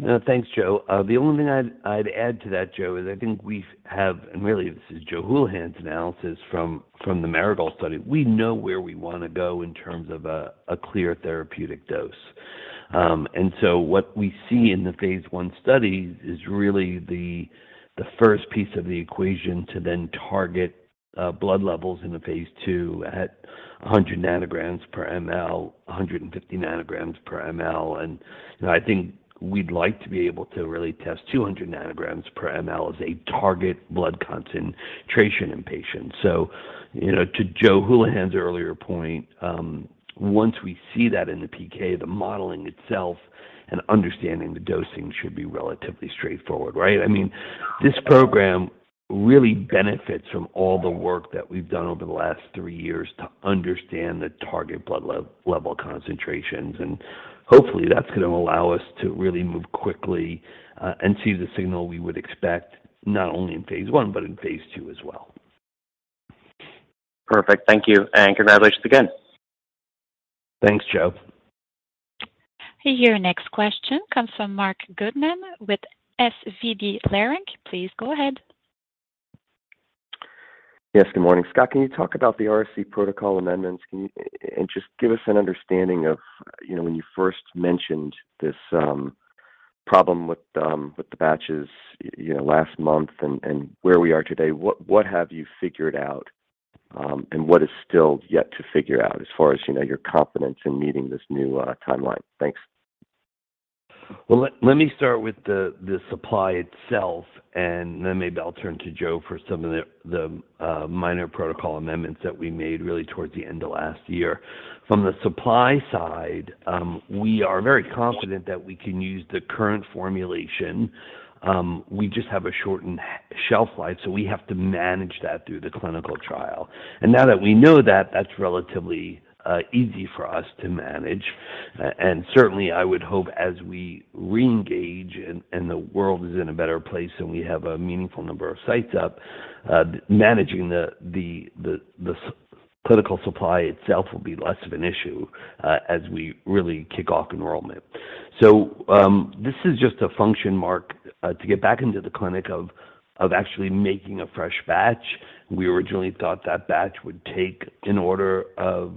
No, thanks, Joe. The only thing I'd add to that, Joe, is I think we've, and really this is Joe Hulihan's analysis from the Marigold study. We know where we want to go in terms of a clear therapeutic dose, and what we see in the phase I studies is really the first piece of the equation to then target blood levels in the phase II at 100 nanograms per mL, 150 nanograms per mL. You know, I think we'd like to be able to really test 200 nanograms per mL as a target blood concentration in patients. You know, to Joe Hulihan's earlier point, once we see that in the PK, the modeling itself and understanding the dosing should be relatively straightforward, right? I mean, this program really benefits from all the work that we've done over the last three years to understand the target blood level concentrations, and hopefully that's gonna allow us to really move quickly and see the signal we would expect not only in phase I, but in phase II as well. Perfect. Thank you, and congratulations again. Thanks, Joe. Your next question comes from Marc Goodman with SVB Leerink. Please go ahead. Yes. Good morning, Scott. Can you talk about the RSE protocol amendments? Can you and just give us an understanding of, you know, when you first mentioned this problem with the batches, you know, last month and where we are today, what have you figured out, and what is still yet to figure out as far as, you know, your confidence in meeting this new timeline? Thanks. Well, let me start with the supply itself, and then maybe I'll turn to Joe for some of the minor protocol amendments that we made really towards the end of last year. From the supply side, we are very confident that we can use the current formulation. We just have a shortened shelf life, so we have to manage that through the clinical trial. Now that we know that's relatively easy for us to manage. And certainly I would hope as we reengage and the world is in a better place and we have a meaningful number of sites up, managing the clinical supply itself will be less of an issue as we really kick off enrollment. This is just a function, Marc, to get back into the clinic of actually making a fresh batch. We originally thought that batch would take an order of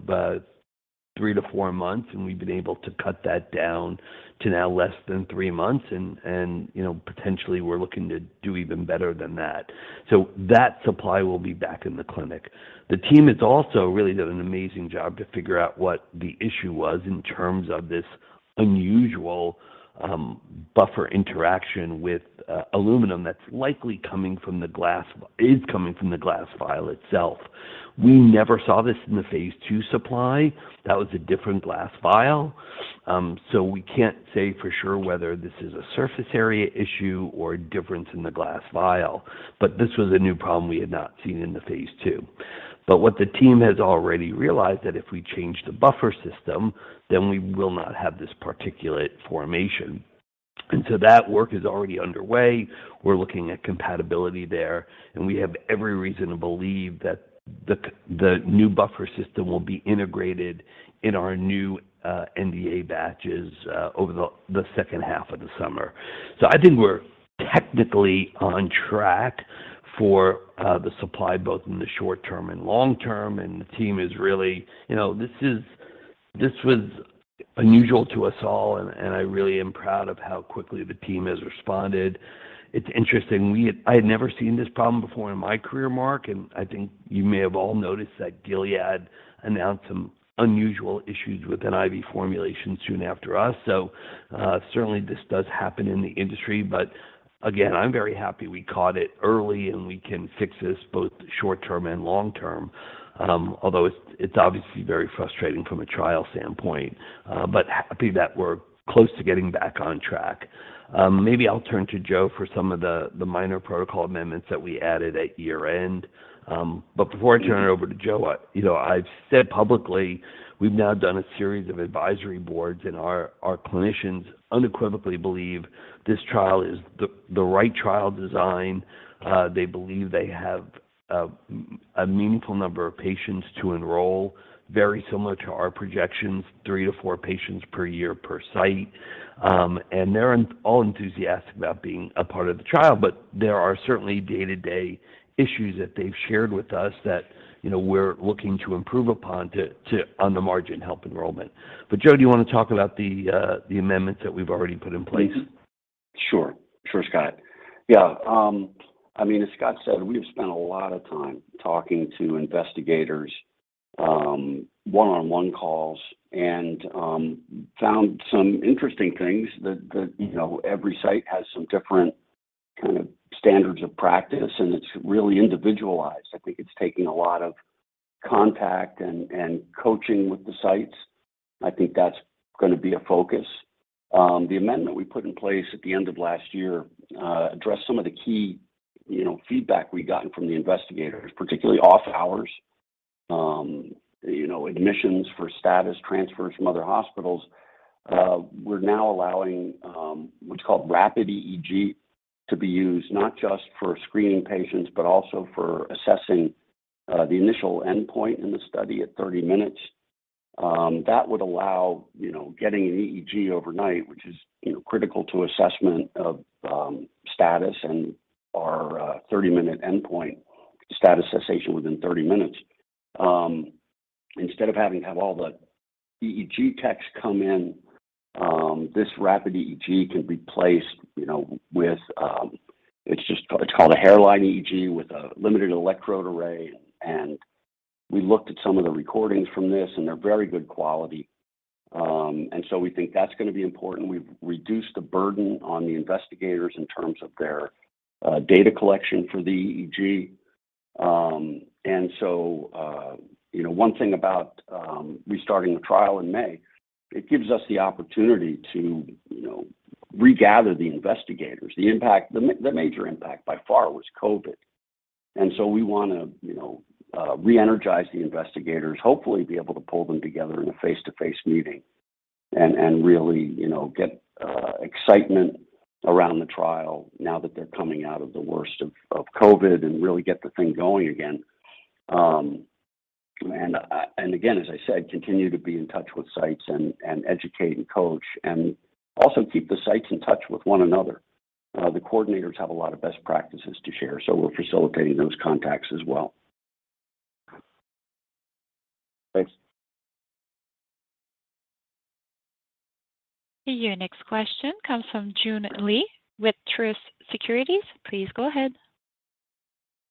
three to four months, and we've been able to cut that down to now less than three months, and you know, potentially we're looking to do even better than that. That supply will be back in the clinic. The team has also really done an amazing job to figure out what the issue was in terms of this unusual buffer interaction with aluminum that's likely coming from the glass vial itself. We never saw this in the phase II supply. That was a different glass vial. We can't say for sure whether this is a surface area issue or a difference in the glass vial, but this was a new problem we had not seen in phase II. What the team has already realized that if we change the buffer system, then we will not have this particulate formation. That work is already underway. We're looking at compatibility there, and we have every reason to believe that the new buffer system will be integrated in our new NDA batches over the second half of the summer. I think we're technically on track for the supply, both in the short term and long term, and the team is really, you know, this was unusual to us all, and I really am proud of how quickly the team has responded. It's interesting. I had never seen this problem before in my career, Marc, and I think you may have all noticed that Gilead announced some unusual issues with an IV formulation soon after us. Certainly this does happen in the industry, but again, I'm very happy we caught it early and we can fix this both short term and long term. Although it's obviously very frustrating from a trial standpoint, happy that we're close to getting back on track. Maybe I'll turn to Joe for some of the minor protocol amendments that we added at year-end. Before I turn it over to Joe, you know, I've said publicly we've now done a series of advisory boards and our clinicians unequivocally believe this trial is the right trial design. They believe they have a meaningful number of patients to enroll, very similar to our projections, three to four patients per year per site. They're all enthusiastic about being a part of the trial. There are certainly day-to-day issues that they've shared with us that, you know, we're looking to improve upon to, on the margin, help enrollment. Joe, do you wanna talk about the amendments that we've already put in place? Sure. Sure, Scott. Yeah. I mean, as Scott said, we have spent a lot of time talking to investigators, one-on-one calls and, found some interesting things that, you know, every site has some different kind of standards of practice, and it's really individualized. I think it's taken a lot of contact and coaching with the sites. I think that's gonna be a focus. The amendment we put in place at the end of last year addressed some of the key, you know, feedback we'd gotten from the investigators, particularly off hours, you know, admissions for status transfers from other hospitals. We're now allowing what's called rapid EEG to be used not just for screening patients, but also for assessing the initial endpoint in the study at 30 minutes. That would allow, you know, getting an EEG overnight, which is, you know, critical to assessment of status and our 30-minute endpoint status cessation within 30 minutes. Instead of having to have all the EEG techs come in, this rapid EEG can be placed, you know, it's called a hairline EEG with a limited electrode array. We looked at some of the recordings from this, and they're very good quality. We think that's gonna be important. We've reduced the burden on the investigators in terms of their data collection for the EEG. You know, one thing about restarting the trial in May, it gives us the opportunity to, you know, regather the investigators. The major impact by far was COVID. We wanna, you know, reenergize the investigators, hopefully be able to pull them together in a face-to-face meeting and really, you know, get excitement around the trial now that they're coming out of the worst of COVID and really get the thing going again. Again, as I said, continue to be in touch with sites and educate and coach and also keep the sites in touch with one another. The coordinators have a lot of best practices to share, so we're facilitating those contacts as well. Thanks. Your next question comes from Joon Lee with Truist Securities. Please go ahead.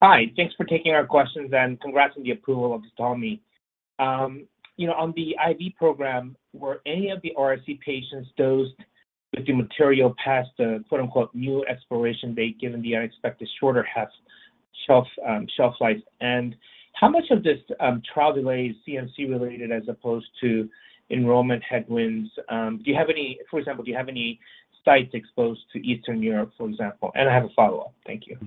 Hi. Thanks for taking our questions and congrats on the approval of ZTALMY. You know, on the IV program, were any of the RSE patients dosed with the material past the quote-unquote new expiration date given the unexpected shorter shelf life? How much of this trial delay is CMC related as opposed to enrollment headwinds? Do you have any sites exposed to Eastern Europe, for example? I have a follow-up. Thank you.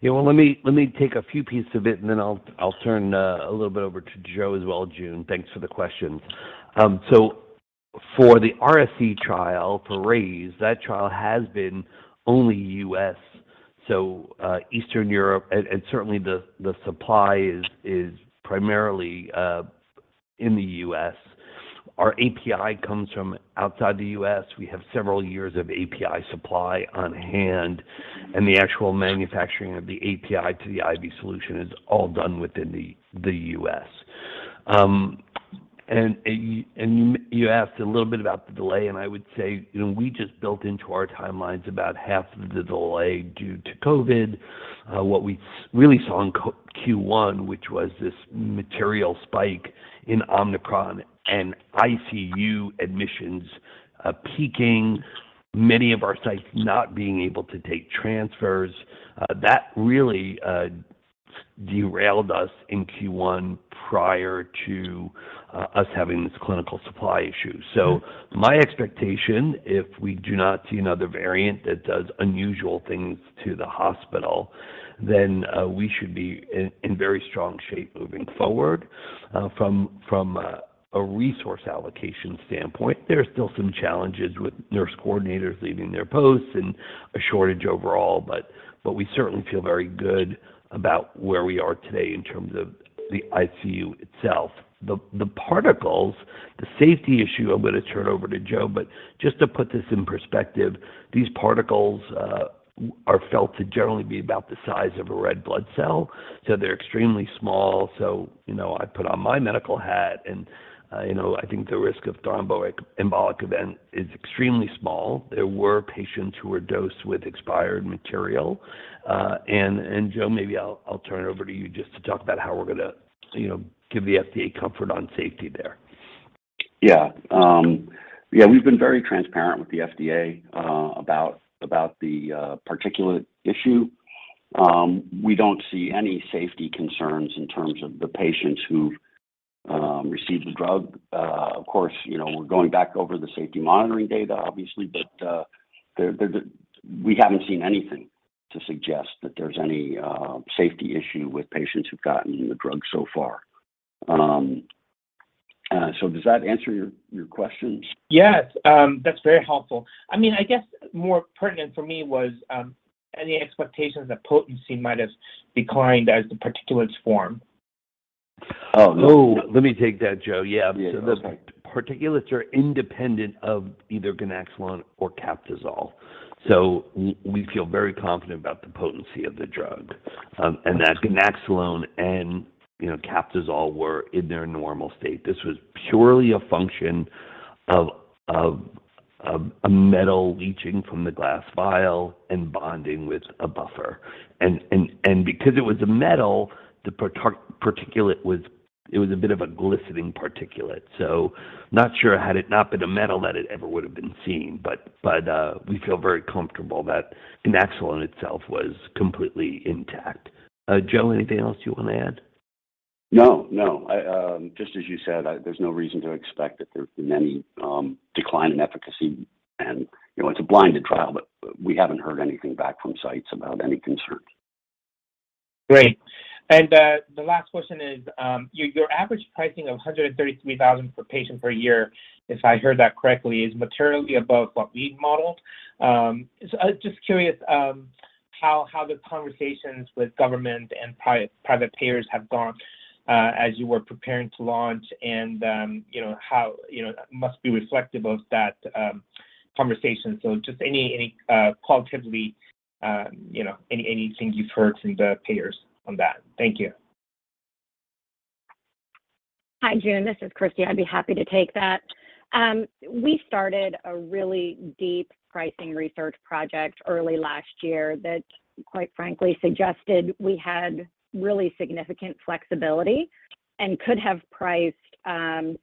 Yeah. Well, let me take a few pieces of it, and then I'll turn a little bit over to Joe as well, June. Thanks for the question. For the RSE trial, for RAISE, that trial has been only U.S. Eastern Europe and certainly the supply is primarily in the U.S. Our API comes from outside the U.S. We have several years of API supply on hand, and the actual manufacturing of the API to the IV solution is all done within the U.S. You asked a little bit about the delay, and I would say, you know, we just built into our timelines about half of the delay due to COVID. What we really saw in Q1, which was this material spike in Omicron and ICU admissions peaking, many of our sites not being able to take transfers, that really derailed us in Q1 prior to us having this clinical supply issue. My expectation, if we do not see another variant that does unusual things to the hospital, we should be in very strong shape moving forward from a resource allocation standpoint. There are still some challenges with nurse coordinators leaving their posts and a shortage overall, but we certainly feel very good about where we are today in terms of the ICU itself. The particles, the safety issue, I'm gonna turn over to Joe, but just to put this in perspective, these particles are felt to generally be about the size of a red blood cell, so they're extremely small. You know, I put on my medical hat, and you know, I think the risk of thromboembolic event is extremely small. There were patients who were dosed with expired material. Joe, maybe I'll turn it over to you just to talk about how we're gonna, you know, give the FDA comfort on safety there. Yeah. Yeah, we've been very transparent with the FDA about the particulate issue. We don't see any safety concerns in terms of the patients who've received the drug. Of course, you know, we're going back over the safety monitoring data obviously, but we haven't seen anything to suggest that there's any safety issue with patients who've gotten the drug so far. So does that answer your questions? Yes. That's very helpful. I mean, I guess more pertinent for me was any expectations that potency might have declined as the particulates form? Oh, no. No. Let me take that, Joe. Yeah. Yeah. Go for it. The particulates are independent of either ganaxolone or Captisol. We feel very confident about the potency of the drug, and that ganaxolone and, you know, Captisol were in their normal state. This was purely a function of a metal leaching from the glass vial and bonding with a buffer. Because it was a metal, the particulate was a bit of a glistening particulate. Not sure had it not been a metal that it ever would have been seen, but we feel very comfortable that ganaxolone itself was completely intact. Joe, anything else you wanna add? No, no. I just as you said, there's no reason to expect that there's been any decline in efficacy. You know, it's a blinded trial, but we haven't heard anything back from sites about any concerns. Great. The last question is, your average pricing of $133,000 per patient per year, if I heard that correctly, is materially above what we've modeled. I'm just curious, how the conversations with government and private payers have gone. As you were preparing to launch and, you know, how you know must be reflective of that conversation. Just any qualitatively, you know, anything you've heard from the payers on that. Thank you. Hi, Joon. This is Christy. I'd be happy to take that. We started a really deep pricing research project early last year that quite frankly suggested we had really significant flexibility and could have priced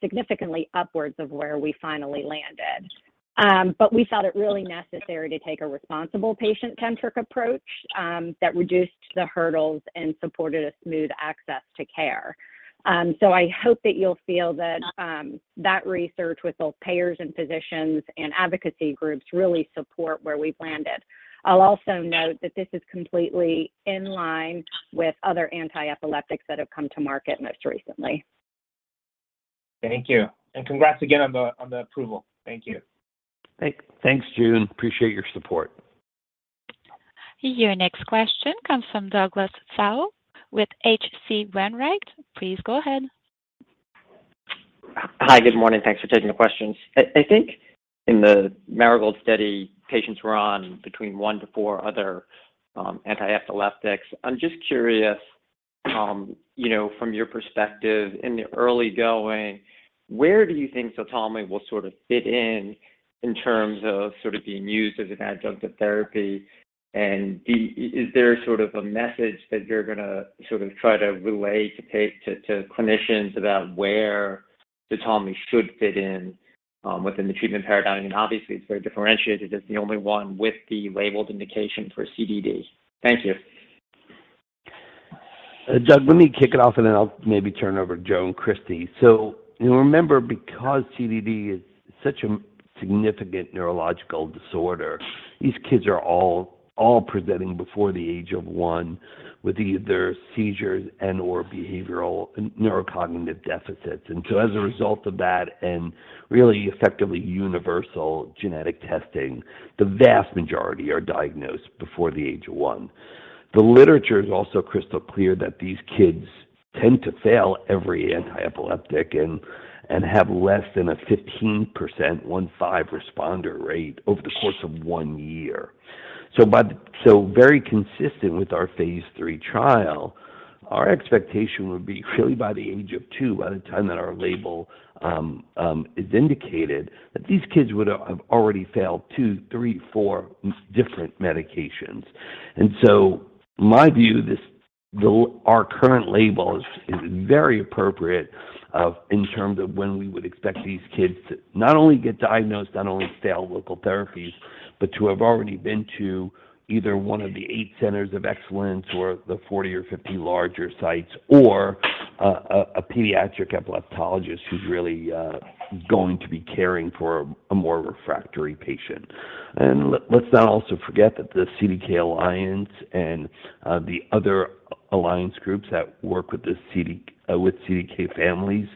significantly upwards of where we finally landed. But we felt it really necessary to take a responsible patient-centric approach that reduced the hurdles and supported a smooth access to care. I hope that you'll feel that research with both payers and physicians and advocacy groups really support where we've landed. I'll also note that this is completely in line with other antiepileptics that have come to market most recently. Thank you. Congrats again on the approval. Thank you. Thanks. Thanks, Joon. Appreciate your support. Your next question comes from Douglas Tsao with H.C. Wainwright. Please go ahead. Hi. Good morning. Thanks for taking the questions. I think in the Marigold study, patients were on between one to four other antiepileptics. I'm just curious, you know, from your perspective in the early going, where do you think ZTALMY will sort of fit in in terms of sort of being used as an adjunctive therapy? Is there sort of a message that you're gonna sort of try to relay to clinicians about where ZTALMY should fit in within the treatment paradigm? Obviously, it's very differentiated. It's the only one with the labeled indication for CDD. Thank you. Doug, let me kick it off, and then I'll maybe turn it over to Joe and Christy. You know, remember, because CDD is such a significant neurological disorder, these kids are all presenting before the age of one with either seizures and/or behavioral neurocognitive deficits. As a result of that and really effectively universal genetic testing, the vast majority are diagnosed before the age of one. The literature is also crystal clear that these kids tend to fail every antiepileptic and have less than a 15% responder rate over the course of one year. Very consistent with our phase III trial, our expectation would be really by the age of two, by the time that our label is indicated, that these kids would have already failed two, three, four different medications. My view, this our current label is very appropriate in terms of when we would expect these kids to not only get diagnosed, not only fail local therapies, but to have already been to either one of the eight centers of excellence or the 40 or 50 larger sites or a pediatric epileptologist who's really going to be caring for a more refractory patient. Let's not also forget that the CDKL5 Alliance and the other alliance groups that work with the CDKL5 families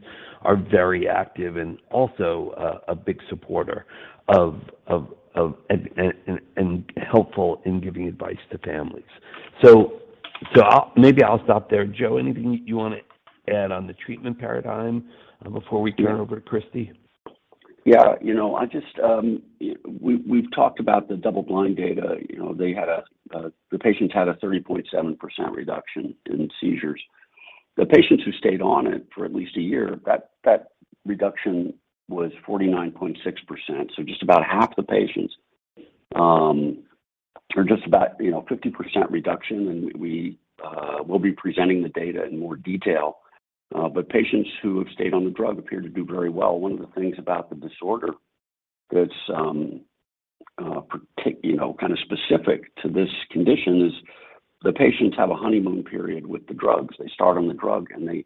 are very active and also a big supporter and helpful in giving advice to families. I'll maybe stop there. Joe, anything you want to add on the treatment paradigm before we turn over to Christy? Yeah. You know, we've talked about the double-blind data. You know, the patients had a 30.7% reduction in seizures. The patients who stayed on it for at least a year, that reduction was 49.6%. Just about half the patients, or just about, you know, 50% reduction, and we'll be presenting the data in more detail. Patients who have stayed on the drug appear to do very well. One of the things about the disorder that's, you know, kind of specific to this condition is the patients have a honeymoon period with the drugs. They start on the drug, and they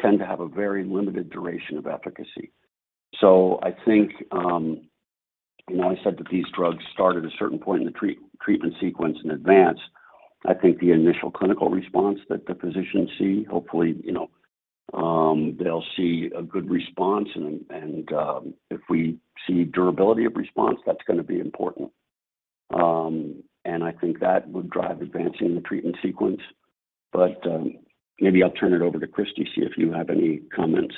tend to have a very limited duration of efficacy. I think, you know, I said that these drugs start at a certain point in the treatment sequence in advance. I think the initial clinical response that the physicians see, hopefully, you know, they'll see a good response and if we see durability of response, that's going to be important. I think that would drive advancing the treatment sequence. Maybe I'll turn it over to Christy to see if you have any comments.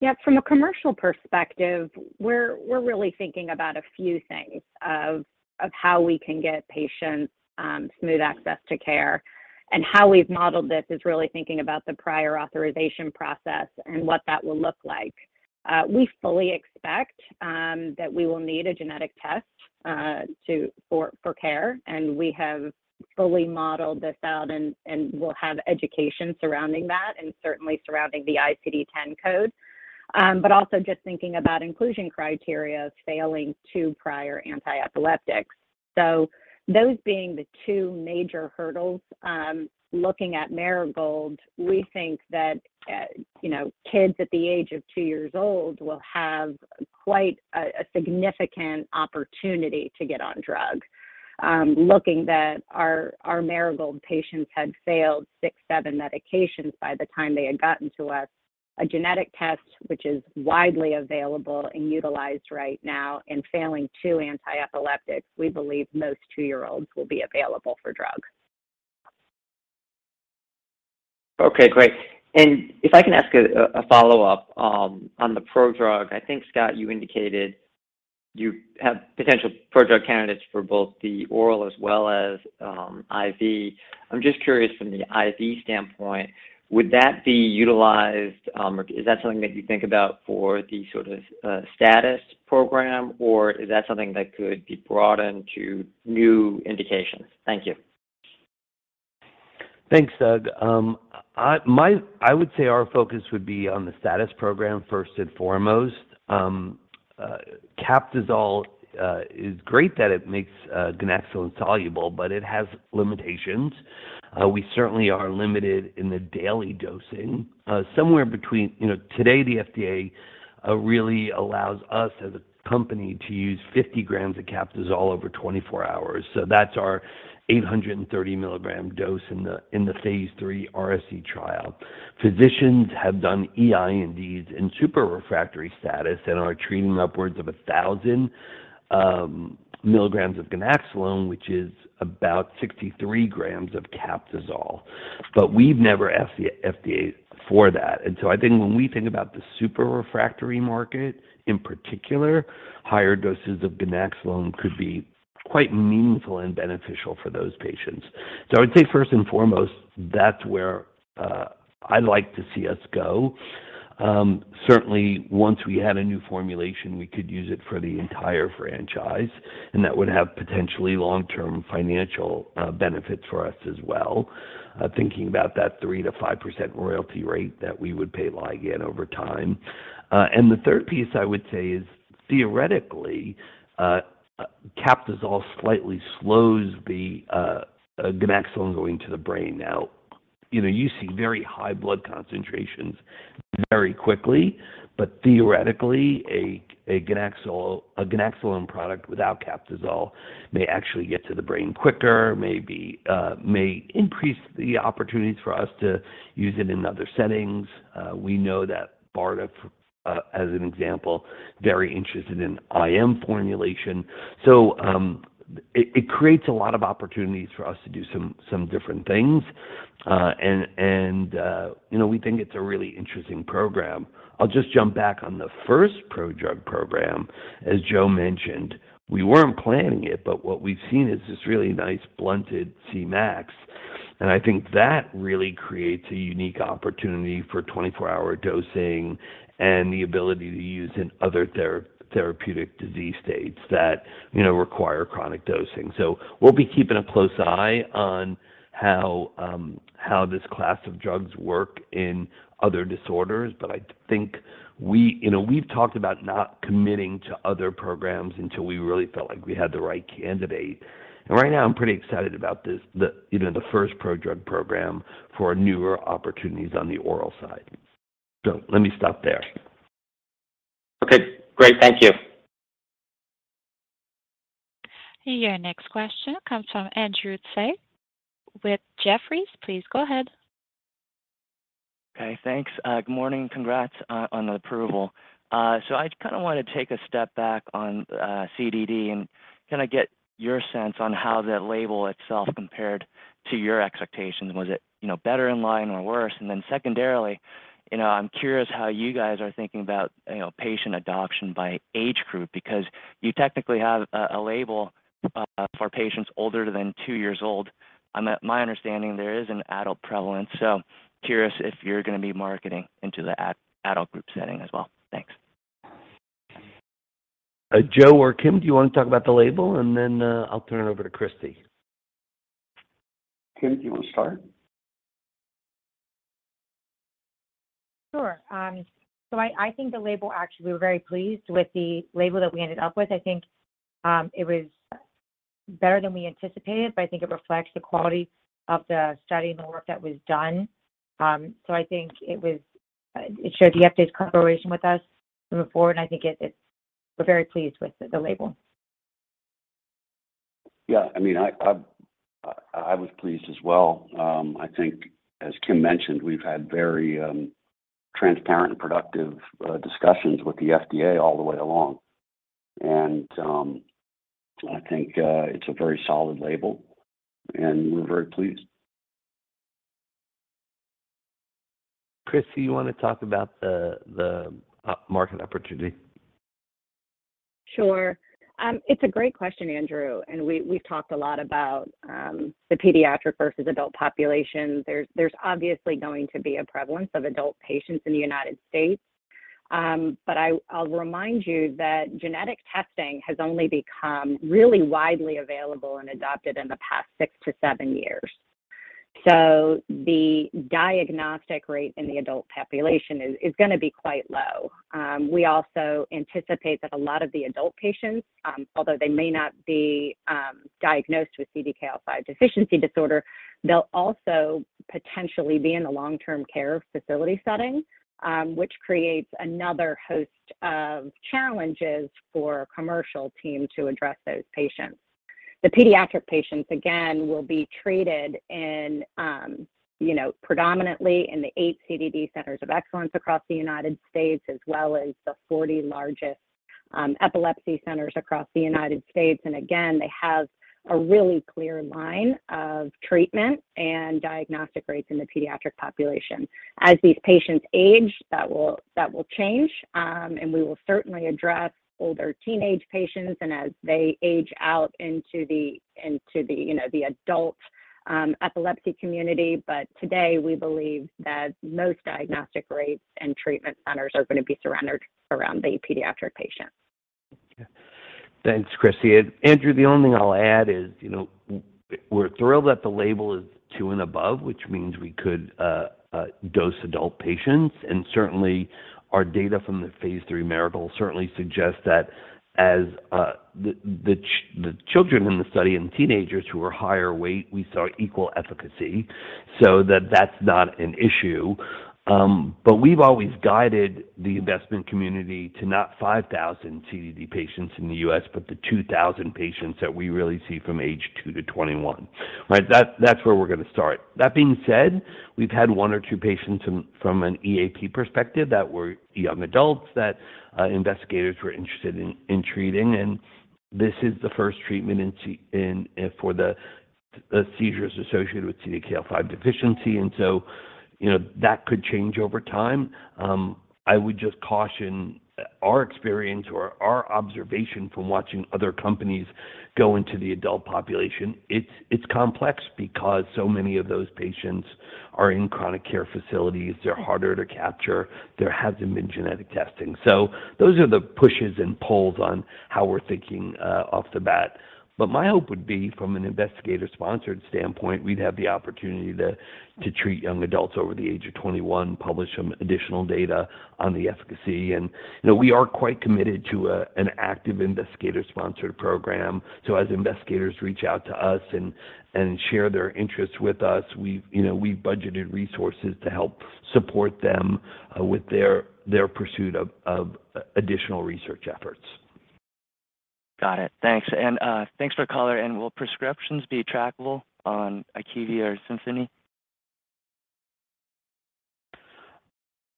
Yeah. From a commercial perspective, we're really thinking about a few things of how we can get patients smooth access to care. How we've modeled this is really thinking about the prior authorization process and what that will look like. We fully expect that we will need a genetic test for care, and we have fully modeled this out and will have education surrounding that and certainly surrounding the ICD-10 code. Also just thinking about inclusion criteria of failing two prior antiepileptics. Those being the two major hurdles, looking at Marigold, we think that you know kids at the age of two years old will have quite a significant opportunity to get on drug. Looking at our Marigold patients had failed six, seven medications by the time they had gotten to us. A genetic test which is widely available and utilized right now. Failing two antiepileptics, we believe most two-year-olds will be available for drug. Okay, great. If I can ask a follow-up on the prodrug. I think, Scott, you indicated you have potential prodrug candidates for both the oral as well as IV. I'm just curious from the IV standpoint, would that be utilized, or is that something that you think about for the sort of status program, or is that something that could be brought into new indications? Thank you. Thanks, Doug. I would say our focus would be on the status program first and foremost. Captisol is great that it makes ganaxolone soluble, but it has limitations. We certainly are limited in the daily dosing. You know, today, the FDA really allows us as a company to use 50 grams of Captisol over 24 hours. So that's our 830 milligram dose in the phase III RSE trial. Physicians have done EINDs in super refractory status and are treating upwards of 1,000 milligrams of ganaxolone, which is about 63 grams of Captisol. But we've never FDAed for that. I think when we think about the super refractory market in particular, higher doses of ganaxolone could be quite meaningful and beneficial for those patients. I would say first and foremost, that's where I'd like to see us go. Certainly once we had a new formulation, we could use it for the entire franchise, and that would have potentially long-term financial benefits for us as well, thinking about that 3%-5% royalty rate that we would pay Ligand over time. The third piece I would say is, theoretically, Captisol slightly slows the ganaxolone going to the brain. Now, you know, you see very high blood concentrations very quickly, but theoretically, a ganaxolone product without Captisol may actually get to the brain quicker, maybe, may increase the opportunities for us to use it in other settings. We know that BARDA, as an example, very interested in IM formulation. It creates a lot of opportunities for us to do some different things. You know, we think it's a really interesting program. I'll just jump back on the first prodrug program. As Joe mentioned, we weren't planning it, but what we've seen is this really nice blunted Cmax. I think that really creates a unique opportunity for 24-hour dosing and the ability to use in other therapeutic disease states that, you know, require chronic dosing. We'll be keeping a close eye on how this class of drugs work in other disorders. But I think we've talked about not committing to other programs until we really felt like we had the right candidate. Right now I'm pretty excited about this, the first prodrug program for newer opportunities on the oral side. Let me stop there. Okay, great. Thank you. Your next question comes from Andrew Tsai with Jefferies. Please go ahead. Okay, thanks. Good morning. Congrats on the approval. So I just kinda wanna take a step back on CDD and kinda get your sense on how that label itself compared to your expectations. Was it, you know, better in line or worse? Then secondarily, you know, I'm curious how you guys are thinking about, you know, patient adoption by age group, because you technically have a label for patients older than two years old. To my understanding, there is an adult prevalence, so curious if you're gonna be marketing into the adult group setting as well. Thanks. Joe or Kim, do you wanna talk about the label? I'll turn it over to Christy. Kim, do you wanna start? Sure. I think the label actually we were very pleased with the label that we ended up with. I think it was better than we anticipated, but I think it reflects the quality of the study and the work that was done. I think it showed the FDA's collaboration with us moving forward. We're very pleased with the label. Yeah. I mean, I was pleased as well. I think, as Kim mentioned, we've had very transparent and productive discussions with the FDA all the way along. I think it's a very solid label, and we're very pleased. Christy, you wanna talk about the market opportunity? Sure. It's a great question, Andrew, and we've talked a lot about the pediatric versus adult population. There's obviously going to be a prevalence of adult patients in the United States. I'll remind you that genetic testing has only become really widely available and adopted in the past six to seven years. The diagnostic rate in the adult population is gonna be quite low. We also anticipate that a lot of the adult patients, although they may not be diagnosed with CDKL5 Deficiency Disorder, they'll also potentially be in a long-term care facility setting, which creates another host of challenges for our commercial team to address those patients. The pediatric patients, again, will be treated in, you know, predominantly in the eight CDD centers of excellence across the United States, as well as the 40 largest epilepsy centers across the United States. Again, they have a really clear line of treatment and diagnostic rates in the pediatric population. As these patients age, that will change, and we will certainly address older teenage patients and as they age out into the, you know, the adult epilepsy community. Today, we believe that most diagnostic rates and treatment centers are gonna be surrounded around the pediatric patients. Thanks, Christy. Andrew, the only thing I'll add is, you know, we're thrilled that the label is two and above, which means we could dose adult patients. Certainly our data from the phase III Marigold certainly suggests that as the children in the study and teenagers who are higher weight, we saw equal efficacy. That's not an issue. We've always guided the investment community to not 5,000 CDD patients in the U.S., but the 2,000 patients that we really see from age two to 21. Right? That's where we're gonna start. That being said, we've had one or two patients from an EAP perspective that were young adults that investigators were interested in treating. This is the first treatment for the seizures associated with CDKL5 deficiency. you know, that could change over time. I would just caution our experience or our observation from watching other companies go into the adult population, it's complex because so many of those patients are in chronic care facilities. They're harder to capture. There hasn't been genetic testing. those are the pushes and pulls on how we're thinking off the bat. my hope would be from an investigator-sponsored standpoint, we'd have the opportunity to treat young adults over the age of 21, publish some additional data on the efficacy. you know, we are quite committed to an active investigator-sponsored program. as investigators reach out to us and share their interests with us, we've, you know, budgeted resources to help support them with their pursuit of additional research efforts. Got it. Thanks. Thanks for the call. Will prescriptions be trackable on IQVIA or Symphony?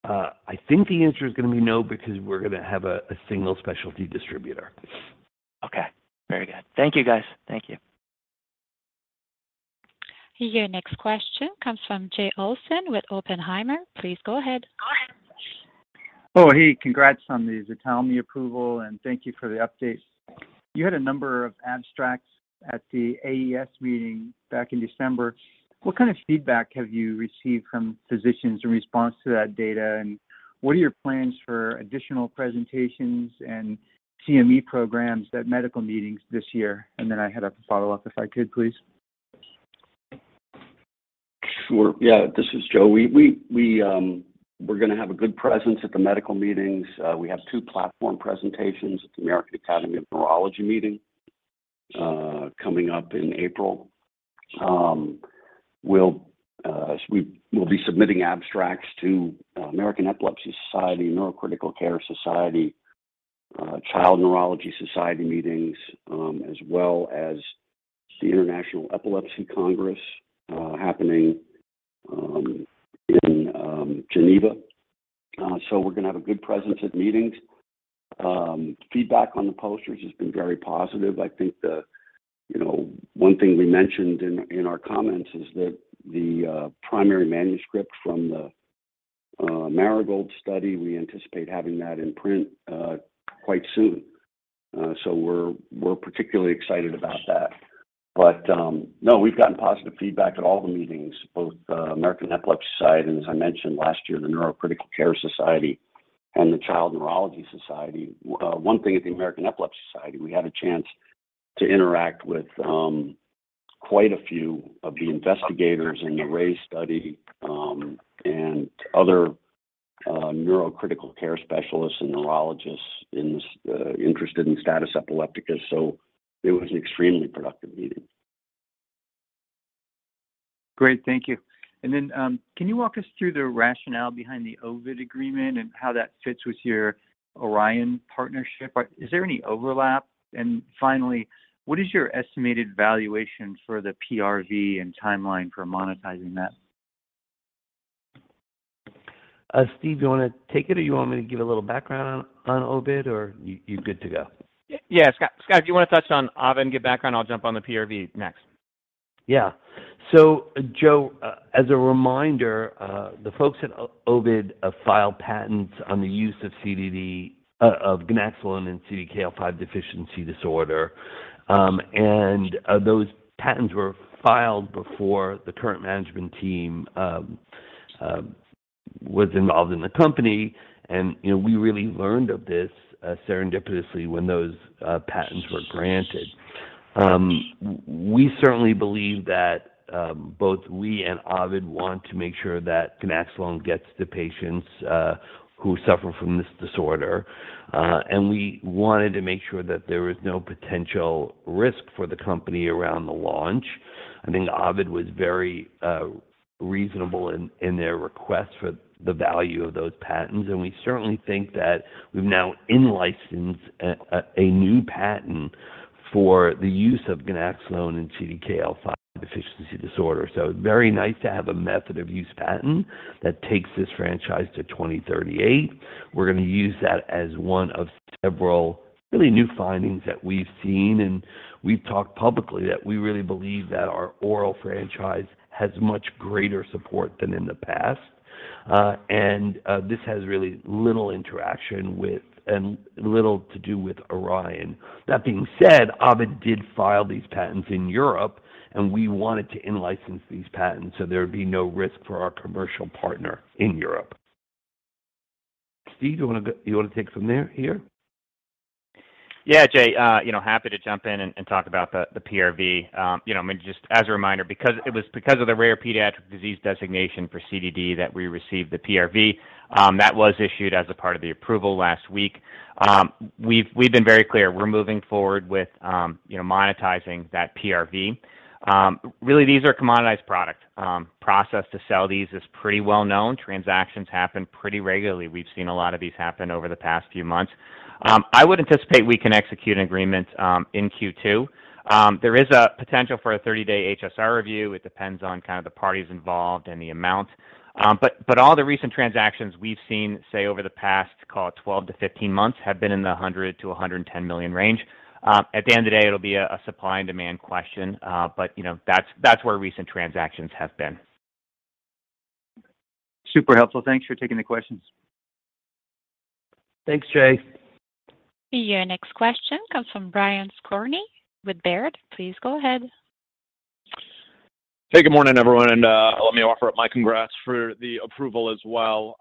I think the answer is gonna be no because we're gonna have a single specialty distributor. Okay. Very good. Thank you, guys. Thank you. Your next question comes from Jay Olson with Oppenheimer. Please go ahead. Oh, hey. Congrats on the ZTALMY approval, and thank you for the update. You had a number of abstracts at the AES meeting back in December. What kind of feedback have you received from physicians in response to that data? What are your plans for additional presentations and CME programs at medical meetings this year? I had a follow-up if I could, please. Sure. Yeah. This is Joe. We're gonna have a good presence at the medical meetings. We have two platform presentations at the American Academy of Neurology meeting coming up in April. We'll be submitting abstracts to American Epilepsy Society, Neurocritical Care Society, Child Neurology Society meetings, as well as the International Epilepsy Congress happening in Geneva. We're gonna have a good presence at meetings. Feedback on the posters has been very positive. I think the, you know, one thing we mentioned in our comments is that the primary manuscript from the Marigold study, we anticipate having that in print quite soon. We're particularly excited about that. No, we've gotten positive feedback at all the meetings, both American Epilepsy Society and as I mentioned last year, the Neurocritical Care Society and the Child Neurology Society. One thing at the American Epilepsy Society, we had a chance to interact with quite a few of the investigators in the RAISE trial, and other neurocritical care specialists and neurologists in this interested in status epilepticus. It was an extremely productive meeting. Great. Thank you. Can you walk us through the rationale behind the Ovid agreement and how that fits with your Orion partnership? Is there any overlap? And finally, what is your estimated valuation for the PRV and timeline for monetizing that? Steve, do you wanna take it, or do you want me to give a little background on Ovid, or you good to go? Yeah, Scott, do you wanna touch on Ovid and give background? I'll jump on the PRV next. Yeah. Jay, as a reminder, the folks at Ovid have filed patents on the use of ganaxolone in CDKL5 deficiency disorder. Those patents were filed before the current management team was involved in the company. You know, we really learned of this serendipitously when those patents were granted. We certainly believe that both we and Ovid want to make sure that ganaxolone gets to patients who suffer from this disorder. We wanted to make sure that there is no potential risk for the company around the launch. I think Ovid was very reasonable in their request for the value of those patents, and we certainly think that we've now in-licensed a new patent for the use of ganaxolone in CDKL5 deficiency disorder. Very nice to have a method of use patent that takes this franchise to 2038. We're gonna use that as one of several really new findings that we've seen, and we've talked publicly that we really believe that our oral franchise has much greater support than in the past. This has really little interaction with and little to do with Orion. That being said, Ovid did file these patents in Europe, and we wanted to in-license these patents, so there would be no risk for our commercial partner in Europe. Steve, do you wanna take from here? Yeah, Jay. You know, happy to jump in and talk about the PRV. You know, I mean, just as a reminder, because of the rare pediatric disease designation for CDD that we received the PRV, that was issued as a part of the approval last week. We've been very clear, we're moving forward with, you know, monetizing that PRV. Really these are commoditized product, process to sell these is pretty well known. Transactions happen pretty regularly. We've seen a lot of these happen over the past few months. I would anticipate we can execute an agreement, in Q2. There is a potential for a 30-day HSR review. It depends on kind of the parties involved and the amount. All the recent transactions we've seen, say, over the past, call it 12-15 months, have been in the $100 million-$110 million range. At the end of the day, it'll be a supply and demand question. You know, that's where recent transactions have been. Super helpful. Thanks for taking the questions. Thanks, Jay. Your next question comes from Brian Skorney with Baird. Please go ahead. Hey, good morning, everyone, and let me offer up my congrats for the approval as well.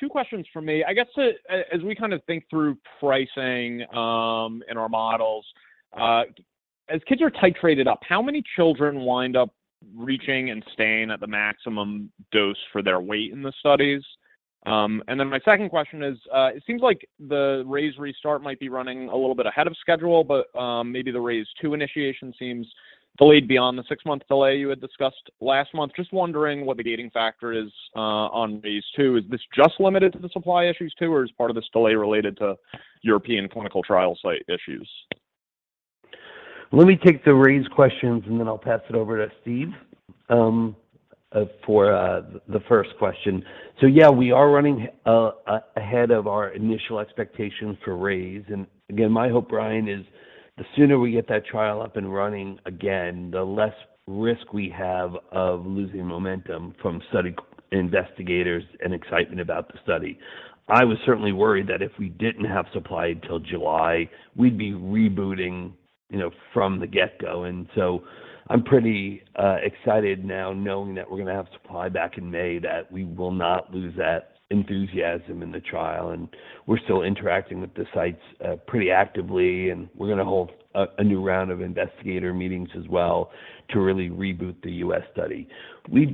Two questions from me. As we kind of think through pricing, in our models, as kids are titrated up, how many children wind up reaching and staying at the maximum dose for their weight in the studies? And then my second question is, it seems like the RAISE restart might be running a little bit ahead of schedule, but maybe the RAISE II initiation seems delayed beyond the six-month delay you had discussed last month. Just wondering what the gating factor is on RAISE II. Is this just limited to the supply issues too, or is part of this delay related to European clinical trial site issues? Let me take the RAISE questions, and then I'll pass it over to Steve for the first question. Yeah, we are running ahead of our initial expectations for RAISE. Again, my hope, Brian, is the sooner we get that trial up and running again, the less risk we have of losing momentum from study investigators and excitement about the study. I was certainly worried that if we didn't have supply until July, we'd be rebooting, you know, from the get-go. I'm pretty excited now knowing that we're gonna have supply back in May, that we will not lose that enthusiasm in the trial. We're still interacting with the sites pretty actively, and we're gonna hold a new round of investigator meetings as well to really reboot the U.S. study. We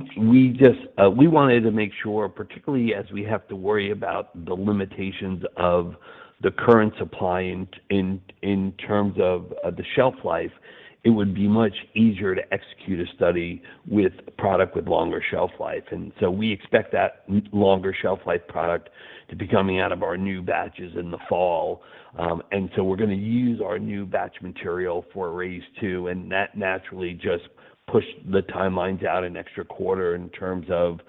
wanted to make sure, particularly as we have to worry about the limitations of the current supply in terms of the shelf life, it would be much easier to execute a study with product with longer shelf life. We expect that longer shelf life product to be coming out of our new batches in the fall. We're gonna use our new batch material for RAISE II, and naturally just push the timelines out an extra quarter in terms of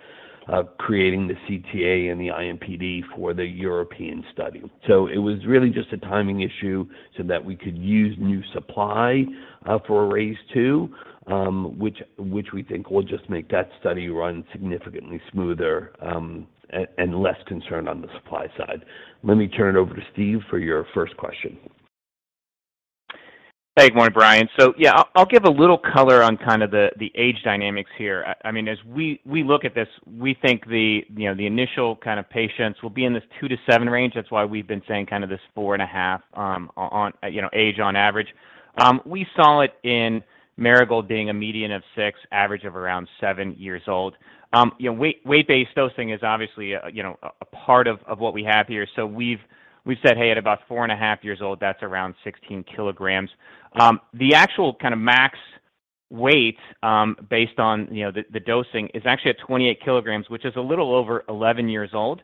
creating the CTA and the IMPD for the European study. It was really just a timing issue so that we could use new supply for RAISE II, which we think will just make that study run significantly smoother, and less concerned on the supply side. Let me turn it over to Steve for your first question. Hey. Good morning, Brian. Yeah, I'll give a little color on kind of the age dynamics here. I mean, as we look at this, we think the initial kind of patients will be in this two to seven range. That's why we've been saying kind of this 4.5 on average age. We saw it in Marigold being a median of six, average of around seven years old. You know, weight-based dosing is obviously a part of what we have here. We've said, "Hey, at about 4.5 years old, that's around 16 kg." The actual kind of max weight based on the dosing is actually at 28 kg, which is a little over 11 years old.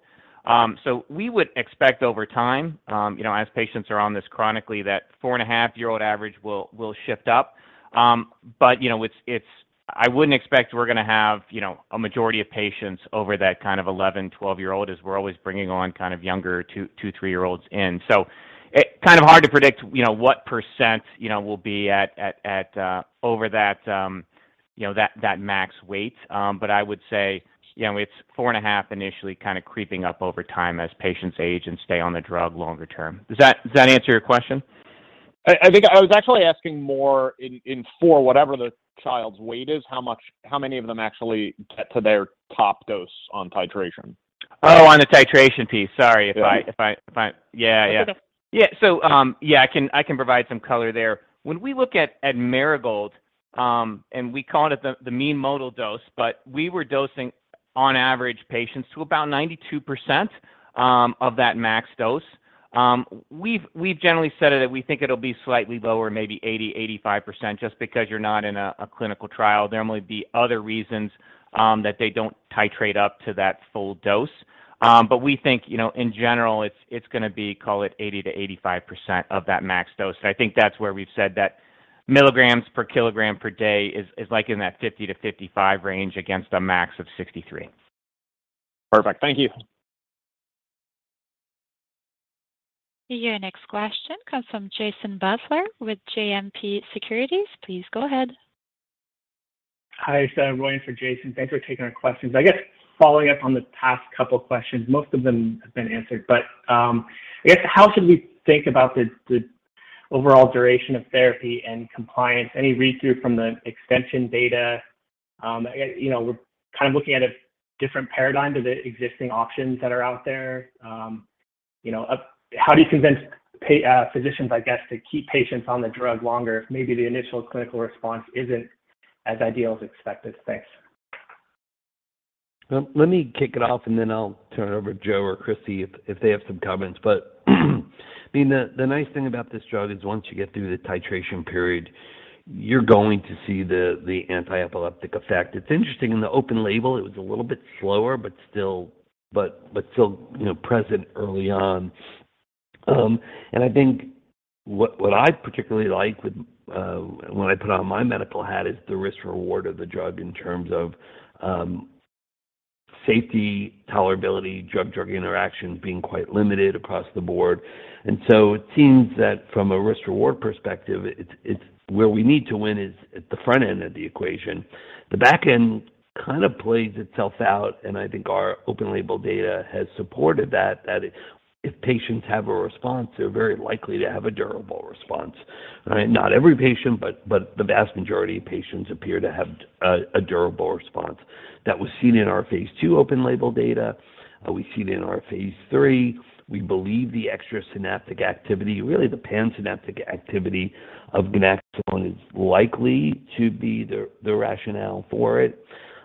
We would expect over time, you know, as patients are on this chronically, that 4.5-year-old average will shift up. You know, I wouldn't expect we're gonna have, you know, a majority of patients over that kind of 11-12-year-old, as we're always bringing on kind of younger two to three-year-olds in. It's kind of hard to predict, you know, what percent, you know, will be at or over that, you know, that max weight. I would say, you know, it's 4.5 initially kind of creeping up over time as patients age and stay on the drug longer term. Does that answer your question? I think I was actually asking more info for whatever the child's weight is, how many of them actually get to their top dose on titration? Oh, on the titration piece. Sorry if I- Yeah. If I. Yeah. That's okay. I can provide some color there. When we look at Marigold, and we call it the mean modal dose, but we were dosing on average patients to about 92% of that max dose. We've generally said that we think it'll be slightly lower, maybe 80%-85% just because you're not in a clinical trial. There may be other reasons that they don't titrate up to that full dose. We think, you know, in general it's gonna be, call it 80%-85% of that max dose. I think that's where we've said that milligrams per kilogram per day is, like, in that 50%-55% range against a max of 63%. Perfect. Thank you. Your next question comes from Jason Butler with JMP Securities. Please go ahead. Hi. It's Reni for Jason. Thanks for taking our questions. I guess following up on the past couple questions, most of them have been answered. I guess how should we think about the overall duration of therapy and compliance? Any read-through from the extension data? You know, we're kind of looking at a different paradigm to the existing options that are out there. You know, how do you convince physicians, I guess, to keep patients on the drug longer if maybe the initial clinical response isn't as ideal as expected? Thanks. Let me kick it off, and then I'll turn it over to Joe or Christy if they have some comments. I mean, the nice thing about this drug is once you get through the titration period, you're going to see the antiepileptic effect. It's interesting, in the open label it was a little bit slower, but still, you know, present early on. I think what I particularly like with, when I put on my medical hat, is the risk-reward of the drug in terms of, safety, tolerability, drug-drug interaction being quite limited across the board. It seems that from a risk-reward perspective, it's where we need to win is at the front end of the equation. The back end kind of plays itself out, and I think our open label data has supported that. That if patients have a response, they're very likely to have a durable response, right? Not every patient, but the vast majority of patients appear to have a durable response. That was seen in our phase II open label data, we see it in our phase III. We believe the extrasynaptic activity, really the pansynaptic activity of ganaxolone is likely to be the rationale for it.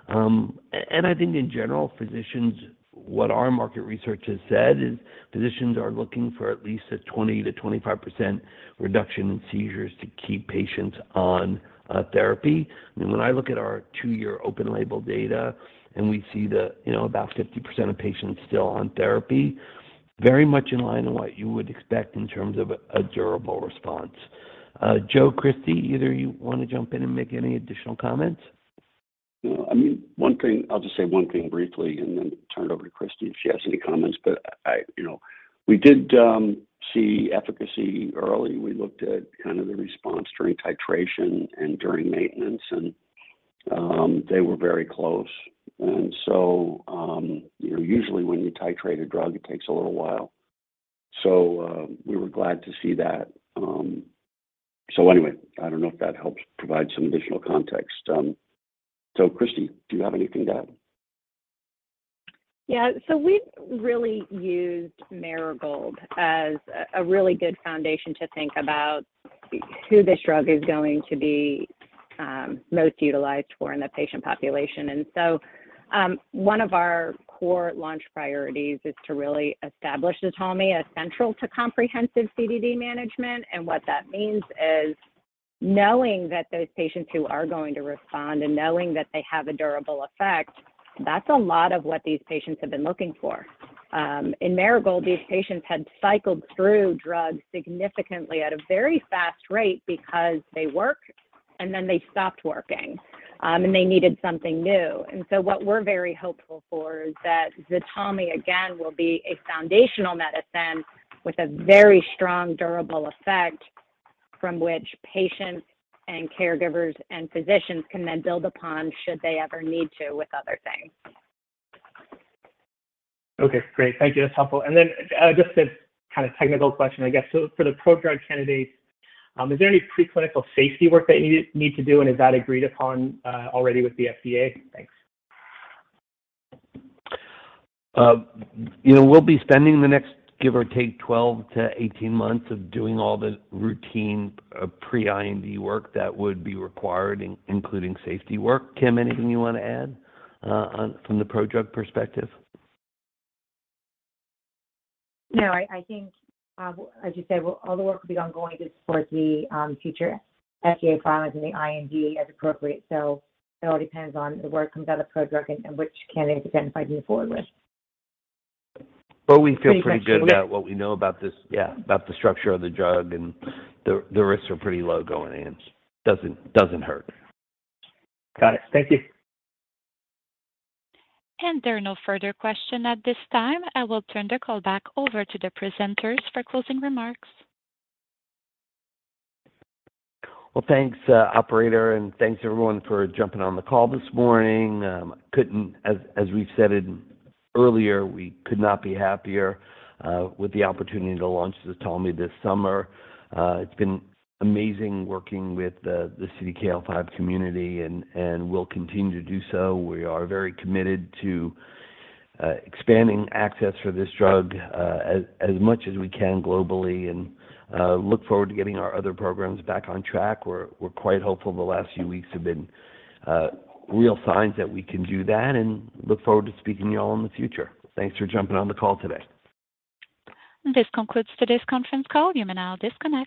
I think in general, physicians, what our market research has said is physicians are looking for at least a 20%-25% reduction in seizures to keep patients on therapy. I mean, when I look at our two-year open label data and we see, you know, about 50% of patients still on therapy, very much in line with what you would expect in terms of a durable response. Joe, Christy, either of you wanna jump in and make any additional comments? No. I mean, one thing, I'll just say one thing briefly and then turn it over to Christy if she has any comments. I you know, we did see efficacy early. We looked at kind of the response during titration and during maintenance, and they were very close. You know, usually when you titrate a drug, it takes a little while. We were glad to see that. Anyway, I don't know if that helps provide some additional context. Christy, do you have anything to add? Yeah. We've really used Marigold as a really good foundation to think about who this drug is going to be most utilized for in the patient population. One of our core launch priorities is to really establish ZTALMY as central to comprehensive CDD management. What that means is knowing that those patients who are going to respond and knowing that they have a durable effect, that's a lot of what these patients have been looking for. In Marigold, these patients had cycled through drugs significantly at a very fast rate because they worked, and then they stopped working, and they needed something new. What we're very hopeful for is that ZTALMY again will be a foundational medicine with a very strong durable effect from which patients and caregivers and physicians can then build upon should they ever need to with other things. Okay, great. Thank you. That's helpful. Just a kind of technical question, I guess. For the prodrug candidates, is there any preclinical safety work that you need to do, and is that agreed upon, already with the FDA? Thanks. You know, we'll be spending the next give or take 12-18 months doing all the routine pre-IND work that would be required including safety work. Kim, anything you wanna add from the prodrug perspective? No. I think, as you said, all the work will be ongoing to support the future FDA filings and the IND as appropriate. It all depends on the work from the other prodrug and which candidates identified move forward with. We feel pretty good about what we know about this, yeah, about the structure of the drug, and the risks are pretty low going in. Doesn't hurt. Got it. Thank you. There are no further questions at this time. I will turn the call back over to the presenters for closing remarks. Well, thanks, operator, and thanks everyone for jumping on the call this morning. As we said earlier, we could not be happier with the opportunity to launch ZTALMY this summer. It's been amazing working with the CDKL5 community and we'll continue to do so. We are very committed to expanding access for this drug as much as we can globally and look forward to getting our other programs back on track. We're quite hopeful the last few weeks have been real signs that we can do that and look forward to speaking to you all in the future. Thanks for jumping on the call today. This concludes today's conference call. You may now disconnect.